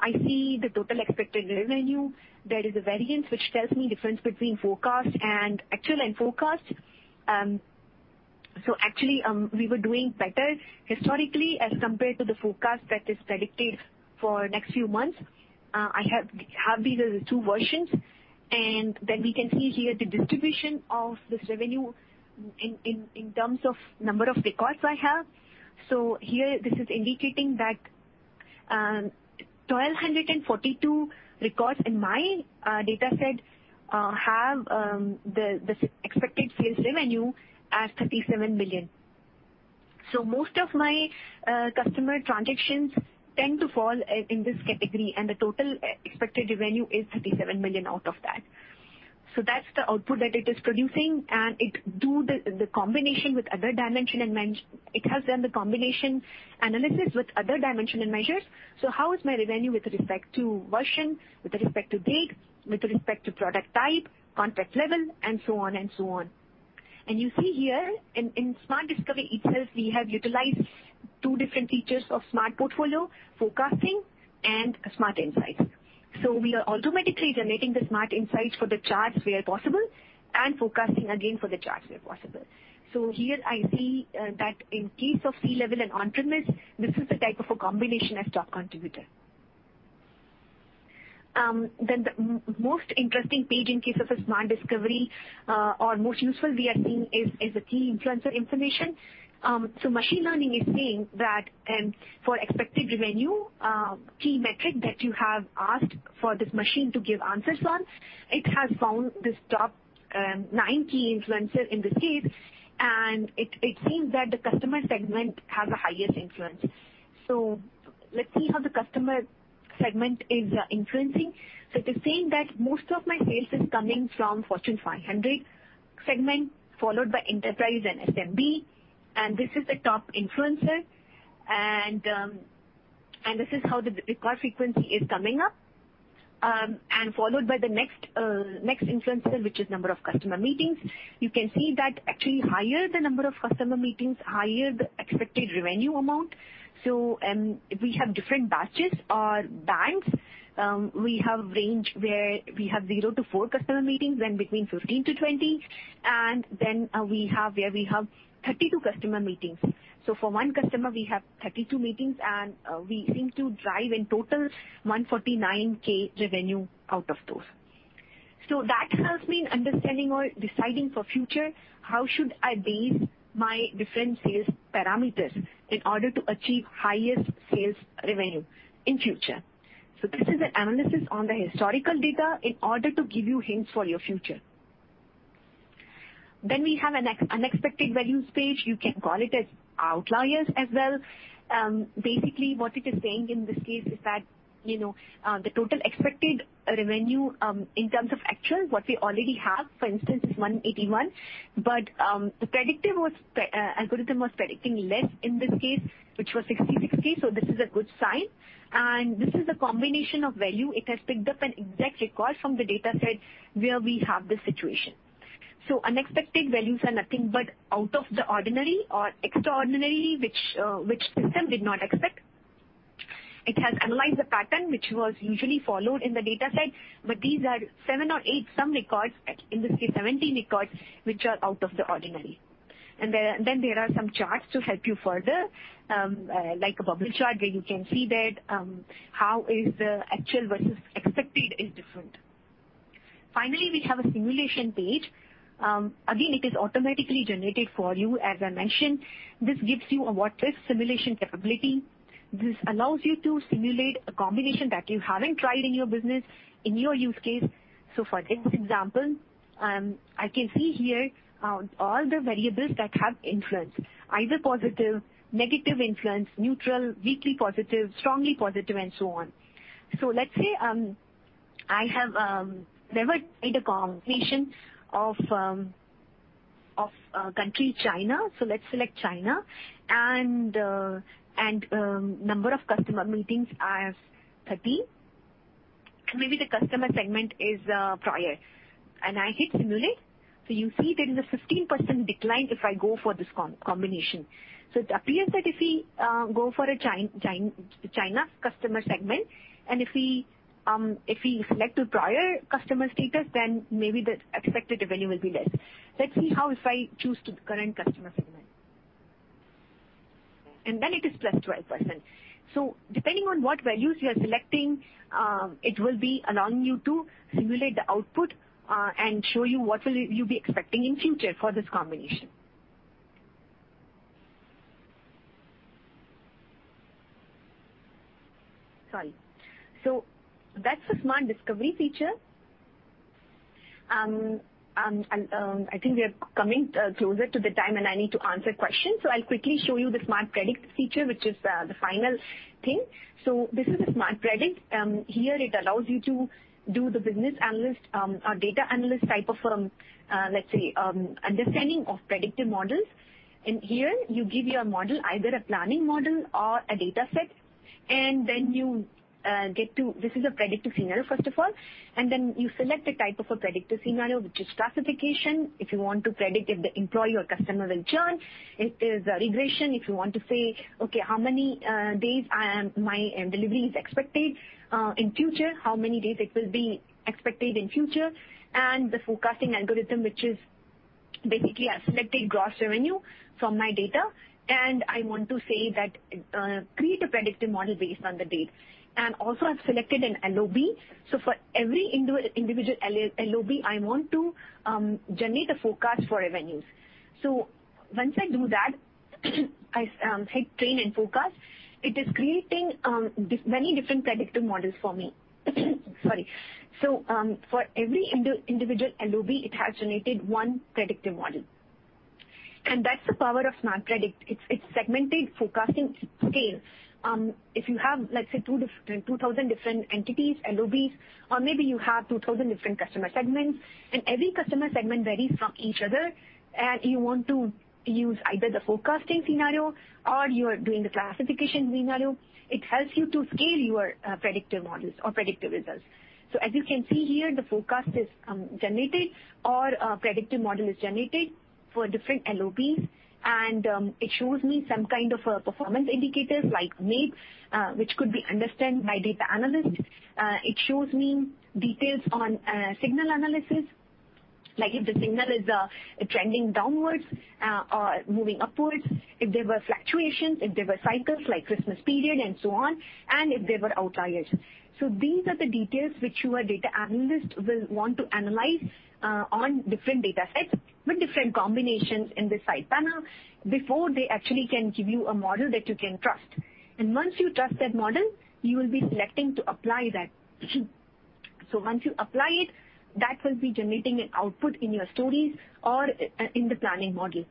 S2: I see the total expected revenue. There is a variance which tells me difference between forecast and actual and forecast. Actually, we were doing better historically as compared to the forecast that is predicted for next few months. I have these two versions, we can see here the distribution of this revenue in terms of number of records I have. Here, this is indicating that 1,242 records in my dataset have the expected sales revenue at 37 million. Most of my customer transactions tend to fall in this category, and the total expected revenue is 37 million out of that. That's the output that it is producing, and it does the combination with other dimension and measures. It has done the combination analysis with other dimension and measures. How is my revenue with respect to version, with respect to date, with respect to product type, contract level, and so on? You see here in Smart Discovery itself, we have utilized two different features of Smart Portfolio, forecasting and Smart Insights. We are automatically generating the Smart Insights for the charts where possible and forecasting again for the charts where possible. Here I see that in case of C-level and entrepreneurs, this is the type of a combination as top contributor. The most interesting page in case of a Smart Discovery, or most useful we are seeing, is the key influencer information. Machine learning is saying that for expected revenue, key metric that you have asked for this machine to give answers on, it has found this top nine key influencer in this case, and it seems that the customer segment has the highest influence. Let's see how the customer segment is influencing. It is saying that most of my sales is coming from Fortune 500 segment, followed by Enterprise and SMB, and this is the top influencer. This is how the record frequency is coming up, followed by the next influencer, which is number of customer meetings. You can see that actually higher the number of customer meetings, higher the expected revenue amount. We have different batches or bands. We have range where we have zero to four customer meetings, then between 15 to 20, and then where we have 32 customer meetings. For one customer, we have 32 meetings, and we seem to drive in total 149K revenue out of those. That helps me in understanding or deciding for future, how should I base my different sales parameters in order to achieve highest sales revenue in future. This is an analysis on the historical data in order to give you hints for your future. We have an unexpected values page. You can call it outliers as well. What it is saying in this case is that, the total expected revenue, in terms of actual, what we already have, for instance, is 181. The algorithm was predicting less in this case, which was 60/60. This is a good sign. This is the combination of value. It has picked up an exact record from the dataset where we have this situation. Unexpected values are nothing but out of the ordinary or extraordinary, which system did not expect. It has analyzed the pattern, which was usually followed in the dataset. These are seven or eight, some records, in this case, 17 records, which are out of the ordinary. There are some charts to help you further, like a bubble chart where you can see that how is the actual versus expected is different. Finally, we have a simulation page. Again, it is automatically generated for you, as I mentioned. This gives you a what-if simulation capability. This allows you to simulate a combination that you haven't tried in your business, in your use case. For this example, I can see here all the variables that have influence, either positive, negative influence, neutral, weakly positive, strongly positive, and so on. Let's say, I have never tried a combination of country China, let's select China, and number of customer meetings as 30. Maybe the customer segment is prior. I hit simulate. You see there is a 15% decline if I go for this combination. It appears that if we go for a China customer segment, and if we select a prior customer status, then maybe the expected value will be less. Let's see how if I choose the current customer segment. It is +12%. Depending on what values you are selecting, it will be allowing you to simulate the output, and show you what will you be expecting in future for this combination. Sorry. That's the Smart Discovery feature. I think we are coming closer to the time, and I need to answer questions. I'll quickly show you the Smart Predict feature, which is the final thing. This is the Smart Predict. Here it allows you to do the business analyst, or data analyst type of, let's say, understanding of predictive models. Here you give your model either a planning model or a dataset. This is a Predictive Scenario, first of all, and then you select a type of a Predictive Scenario, which is classification, if you want to predict if the employee or customer will churn. It is a regression if you want to say, "Okay, how many days my delivery is expected in future, how many days it will be expected in future." The forecasting algorithm, which is basically I selected gross revenue from my data, and I want to say that, "Create a predictive model based on the date." Also, I've selected an LoB. For every individual LoB, I want to generate a forecast for revenues. Once I do that, I hit Train and Forecast. It is creating many different predictive models for me. Sorry. For every individual LoB, it has generated one predictive model. That's the power of Smart Predict. It's segmented forecasting scale. If you have, let's say, 2,000 different entities, LoBs, or maybe you have 2,000 different customer segments, and every customer segment varies from each other, and you want to use either the forecasting scenario or you are doing the classification scenario, it helps you to scale your predictive models or predictive results. As you can see here, the forecast is generated, or a predictive model is generated for different LoBs, and it shows me some kind of a performance indicators like MAPE, which could be understood by data analyst. It shows me details on signal analysis, like if the signal is trending downwards or moving upwards, if there were fluctuations, if there were cycles like Christmas period and so on, and if there were outliers. These are the details which your data analyst will want to analyze on different datasets with different combinations in the side panel before they actually can give you a model that you can trust. Once you trust that model, you will be selecting to apply that. Once you apply it, that will be generating an output in your stories or in the planning module.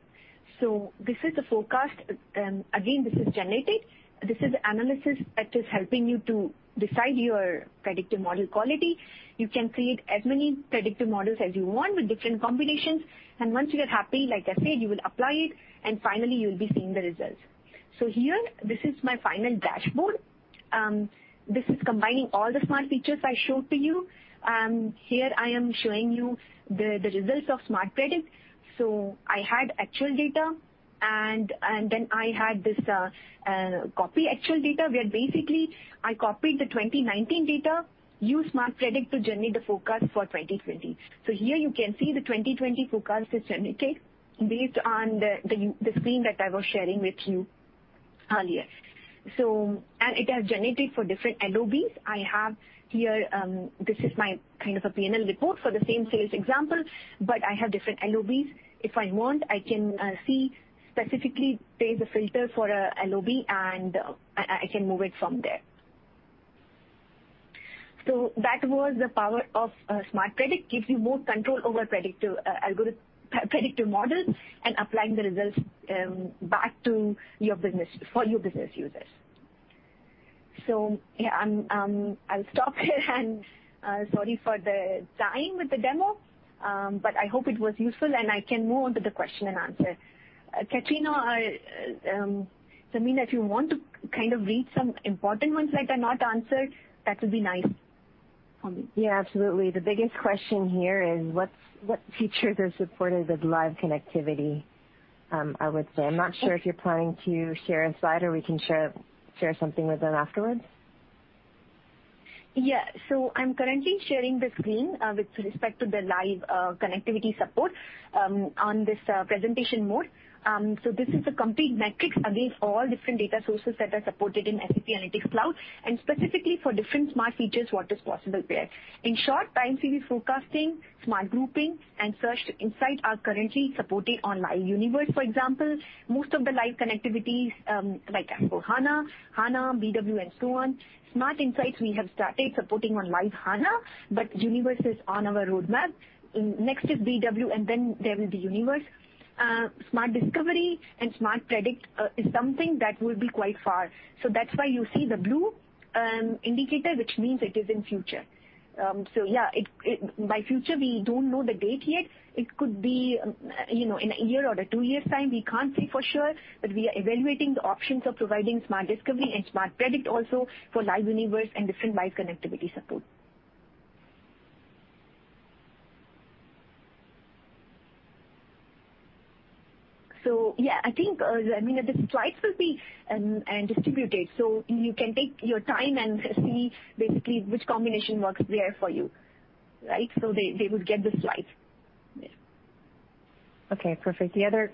S2: This is the forecast. Again, this is generated. This is analysis that is helping you to decide your predictive model quality. You can create as many predictive models as you want with different combinations, and once you are happy, like I said, you will apply it, and finally, you'll be seeing the results. Here, this is my final dashboard. This is combining all the Smart Features I showed to you. Here I am showing you the results of Smart Predict. I had actual data, and then I had this copy actual data, where basically I copied the 2019 data, used Smart Predict to generate the forecast for 2020. Here you can see the 2020 forecast is generated based on the screen that I was sharing with you earlier. It has generated for different LoBs. I have here, this is my kind of a P&L report for the same sales example, but I have different LoBs. If I want, I can see specifically there's a filter for a LoB, and I can move it from there. That was the power of Smart Predict, gives you more control over predictive models and applying the results back for your business users. Yeah, I'll stop here, and sorry for the time with the demo, but I hope it was useful, and I can move on to the question and answer. Katrina or Zarmina, if you want to kind of read some important ones that are not answered, that would be nice for me.
S3: Yeah, absolutely. The biggest question here is what features are supported with live connectivity, I would say. I'm not sure if you're planning to share a slide or we can share something with them afterwards.
S2: I'm currently sharing the screen with respect to the live connectivity support on this presentation mode. This is a complete matrix against all different data sources that are supported in SAP Analytics Cloud and specifically for different Smart Features, what is possible there. In short, time series forecasting, Smart Grouping, and Search to Insight are currently supported on Live Universe, for example. Most of the live connectivity, like SAP HANA, BW, and so on. Smart Insights we have started supporting on Live HANA, but Universe is on our roadmap. Next is BW, and then there will be Universe. Smart Discovery and Smart Predict is something that will be quite far. That's why you see the blue indicator, which means it is in future. By future, we don't know the date yet. It could be in a year or two years' time. We can't say for sure, but we are evaluating the options of providing Smart Discovery and Smart Predict also for Live Universe and different live connectivity support. Yeah, I think, I mean, the slides will be distributed, so you can take your time and see basically which combination works there for you. Right? They would get the slides.
S3: Okay, perfect. The other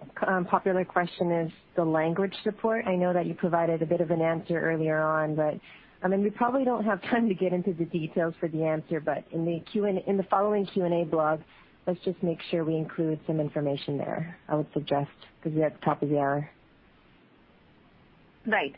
S3: popular question is the language support. I know that you provided a bit of an answer earlier on, but, we probably don't have time to get into the details for the answer, but in the following Q&A blog, let's just make sure we include some information there, I would suggest, because we're at the top of the hour.
S2: Right.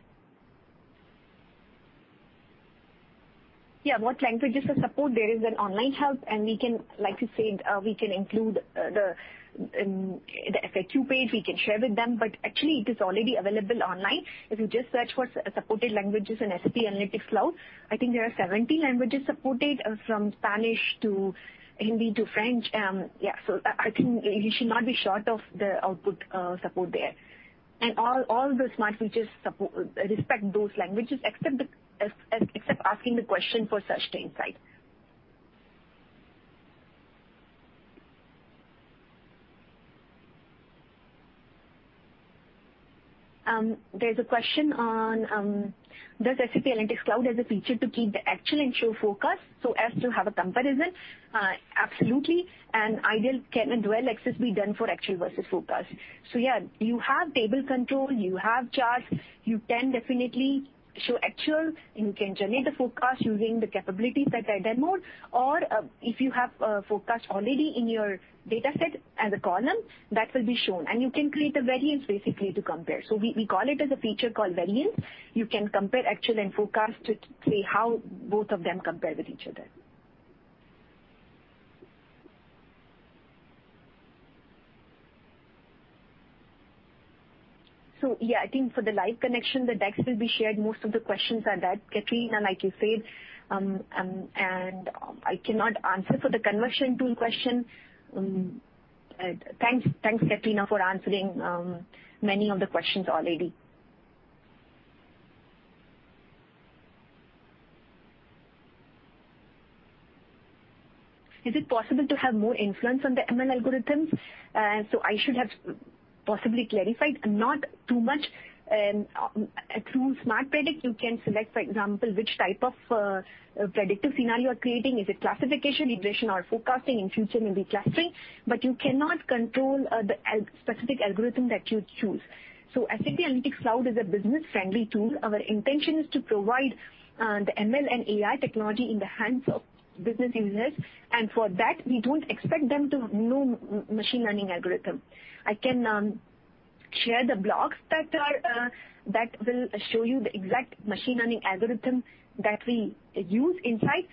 S2: Yeah. What languages are supported? There is an online help. We can, like you said, we can include the FAQ page, we can share with them. Actually, it is already available online. If you just search for supported languages in SAP Analytics Cloud, I think there are 70 languages supported from Spanish to Hindi to French. Yeah. I think you should not be short of the output support there. All the Smart Features respect those languages except asking the question for Search to Insight. There's a question on, does SAP Analytics Cloud has a feature to keep the actual and show forecast so as to have a comparison? Absolutely. Ideal, can a dual axis be done for actual versus forecast? You have table control, you have charts, you can definitely show actual, and you can generate the forecast using the capabilities that I demoed. If you have a forecast already in your dataset as a column, that will be shown, and you can create a variance basically to compare. We call it as a feature called variance. You can compare actual and forecast to see how both of them compare with each other. I think for the live connection, the decks will be shared. Most of the questions are that, Katrina, like you said, and I cannot answer for the conversion tool question. Thanks, Katrina, for answering many of the questions already. Is it possible to have more influence on the ML algorithms? I should have possibly clarified, not too much. Through Smart Predict, you can select, for example, which type of predictive scenario you are creating. Is it classification, regression, or forecasting? In future, maybe clustering. You cannot control the specific algorithm that you choose. SAP Analytics Cloud is a business-friendly tool. Our intention is to provide the ML and AI technology in the hands of business users, and for that, we don't expect them to know machine learning algorithm. I can share the blogs that will show you the exact machine learning algorithm that we use inside.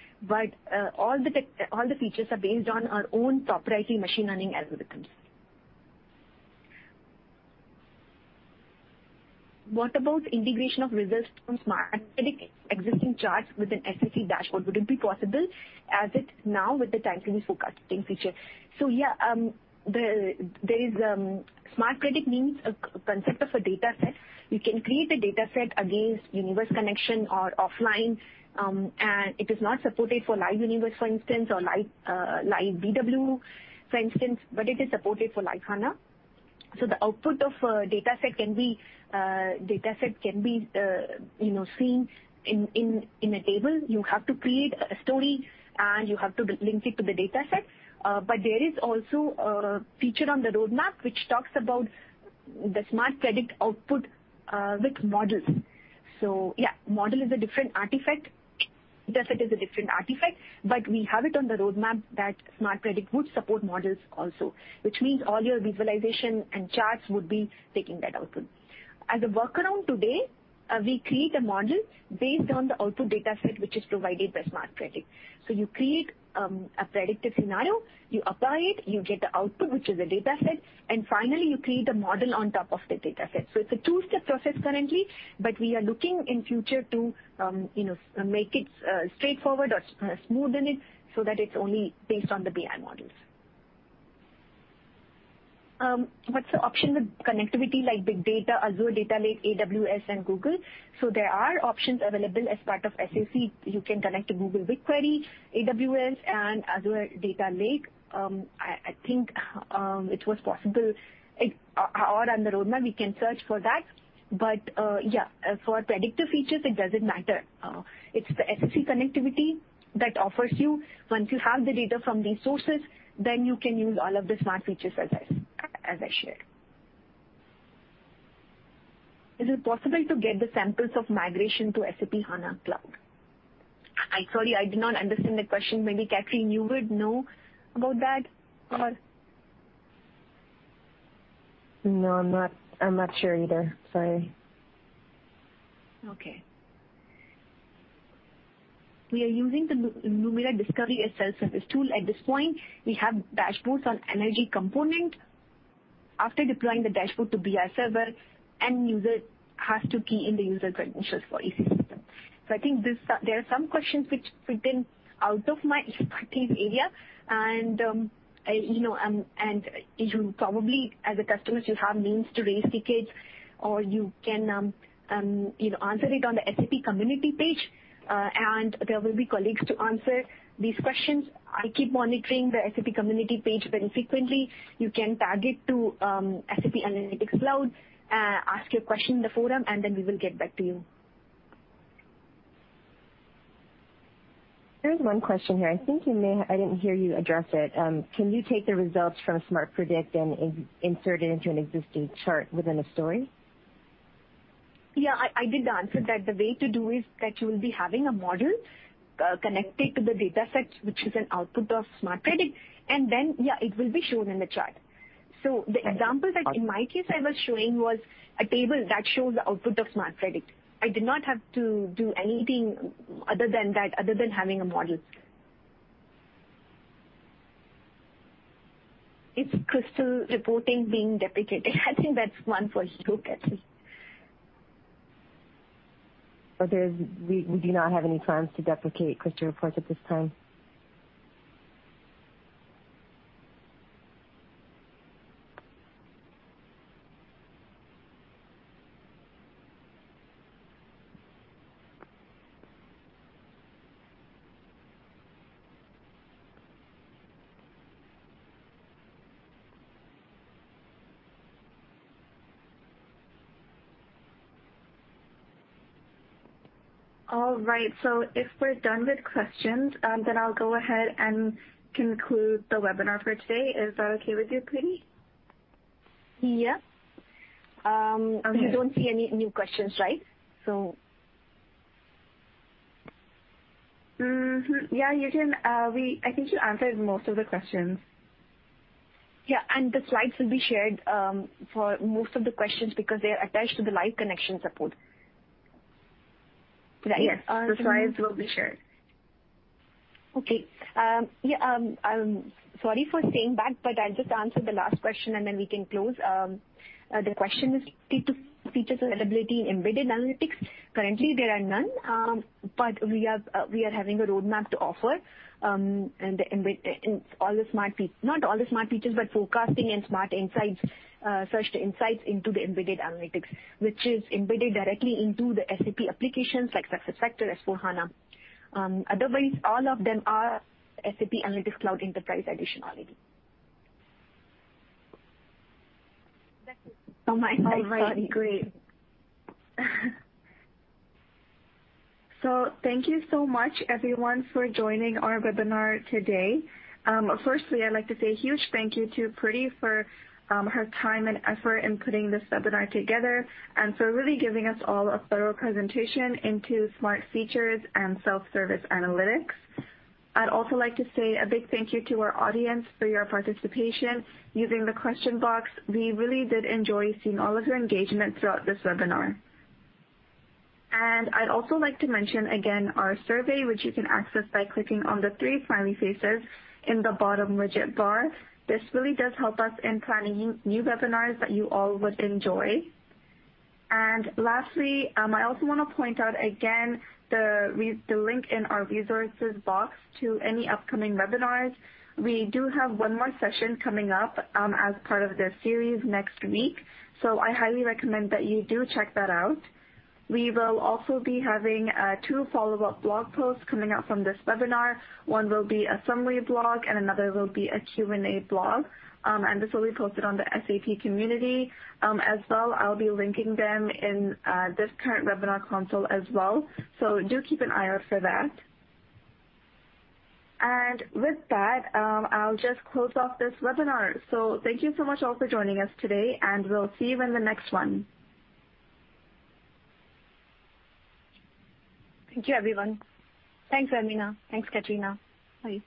S2: All the features are based on our own proprietary machine learning algorithms. What about integration of results from Smart Predict existing charts within SAP dashboard? Would it be possible as it now with the time series forecasting feature? Yeah, Smart Predict means a concept of a dataset. You can create a dataset against Universe connection or offline. It is not supported for Live Universe, for instance, or Live BW, for instance, but it is supported for Live HANA. The output of a dataset can be seen in a table. You have to create a story and you have to link it to the dataset. There is also a feature on the roadmap, which talks about the Smart Predict output with models. Yeah, model is a different artifact, dataset is a different artifact. We have it on the roadmap that Smart Predict would support models also, which means all your visualization and charts would be taking that output. As a workaround today, we create a model based on the output dataset, which is provided by Smart Predict. You create a predictive scenario, you apply it, you get the output, which is a dataset, and finally, you create a model on top of the dataset. It's a two-step process currently, but we are looking in future to make it straightforward or smoothen it, so that it's only based on the BI models. What's the option with connectivity like Big Data, Azure Data Lake, AWS, and Google? There are options available as part of SAC. You can connect to Google BigQuery, AWS, and Azure Data Lake. I think it was possible, or on the roadmap, we can search for that. Yeah, for predictive features, it doesn't matter. It's the SAC connectivity that offers you, once you have the data from these sources, then you can use all of the Smart Features as I shared. Is it possible to get the samples of migration to SAP HANA Cloud? Sorry, I did not understand the question. Maybe Katrina, you would know about that.
S3: No, I'm not sure either. Sorry.
S2: Okay. We are using the SAP Lumira Discovery, a self-service tool. At this point, we have dashboards on energy component. After deploying the dashboard to BI server, end user has to key in the user credentials for EC system. I think there are some questions which fit in out of my expertise area, and you probably, as a customer, you have means to raise tickets, or you can answer it on the SAP community, and there will be colleagues to answer these questions. I keep monitoring the SAP community very frequently. You can tag it to SAP Analytics Cloud, ask your question in the forum, and then we will get back to you.
S3: There's one question here. I didn't hear you address it. Can you take the results from Smart Predict and insert it into an existing chart within a story?
S2: I did answer that. The way to do is that you will be having a model connected to the dataset, which is an output of Smart Predict, and then it will be shown in the chart. The example that in my case I was showing was a table that shows the output of Smart Predict. I did not have to do anything other than that, other than having a model. Is Crystal Reports being deprecated? I think that's one for you, Katrina.
S3: We do not have any plans to deprecate Crystal Reports at this time.
S1: All right. If we're done with questions, then I'll go ahead and conclude the webinar for today. Is that okay with you, Priti?
S2: Yeah. You don't see any new questions, right?
S1: Yeah, I think you answered most of the questions.
S2: Yeah, the slides will be shared for most of the questions because they are attached to the live connection support.
S1: Yes. The slides will be shared.
S2: Okay. Yeah, I'm sorry for saying back, but I'll just answer the last question and then we can close. The question is, feature availability in embedded analytics. Currently there are none, we are having a roadmap to offer. Not all the Smart Features, but forecasting and Smart Insights, Search to Insight into the embedded analytics, which is embedded directly into the SAP applications like SuccessFactors, S/4HANA. Otherwise, all of them are SAP Analytics Cloud Enterprise Edition already.
S1: Thank you so much. All right. Great. Thank you so much everyone for joining our webinar today. Firstly, I'd like to say a huge thank you to Priti for her time and effort in putting this webinar together and for really giving us all a thorough presentation into Smart Features and self-service analytics. I'd also like to say a big thank you to our audience for your participation using the question box. We really did enjoy seeing all of your engagement throughout this webinar. I'd also like to mention again our survey, which you can access by clicking on the three smiley faces in the bottom widget bar. This really does help us in planning new webinars that you all would enjoy. Lastly, I also want to point out again the link in our resources box to any upcoming webinars. We do have one more session coming up as part of this series next week, so I highly recommend that you do check that out. We will also be having two follow-up blog posts coming out from this webinar. One will be a summary blog and another will be a Q&A blog. This will be posted on the SAP community. As well, I'll be linking them in this current webinar console as well. Do keep an eye out for that. With that, I'll just close off this webinar. Thank you so much all for joining us today, and we'll see you in the next one.
S2: Thank you everyone. Thanks, Zarmina. Thanks, Katrina. Bye.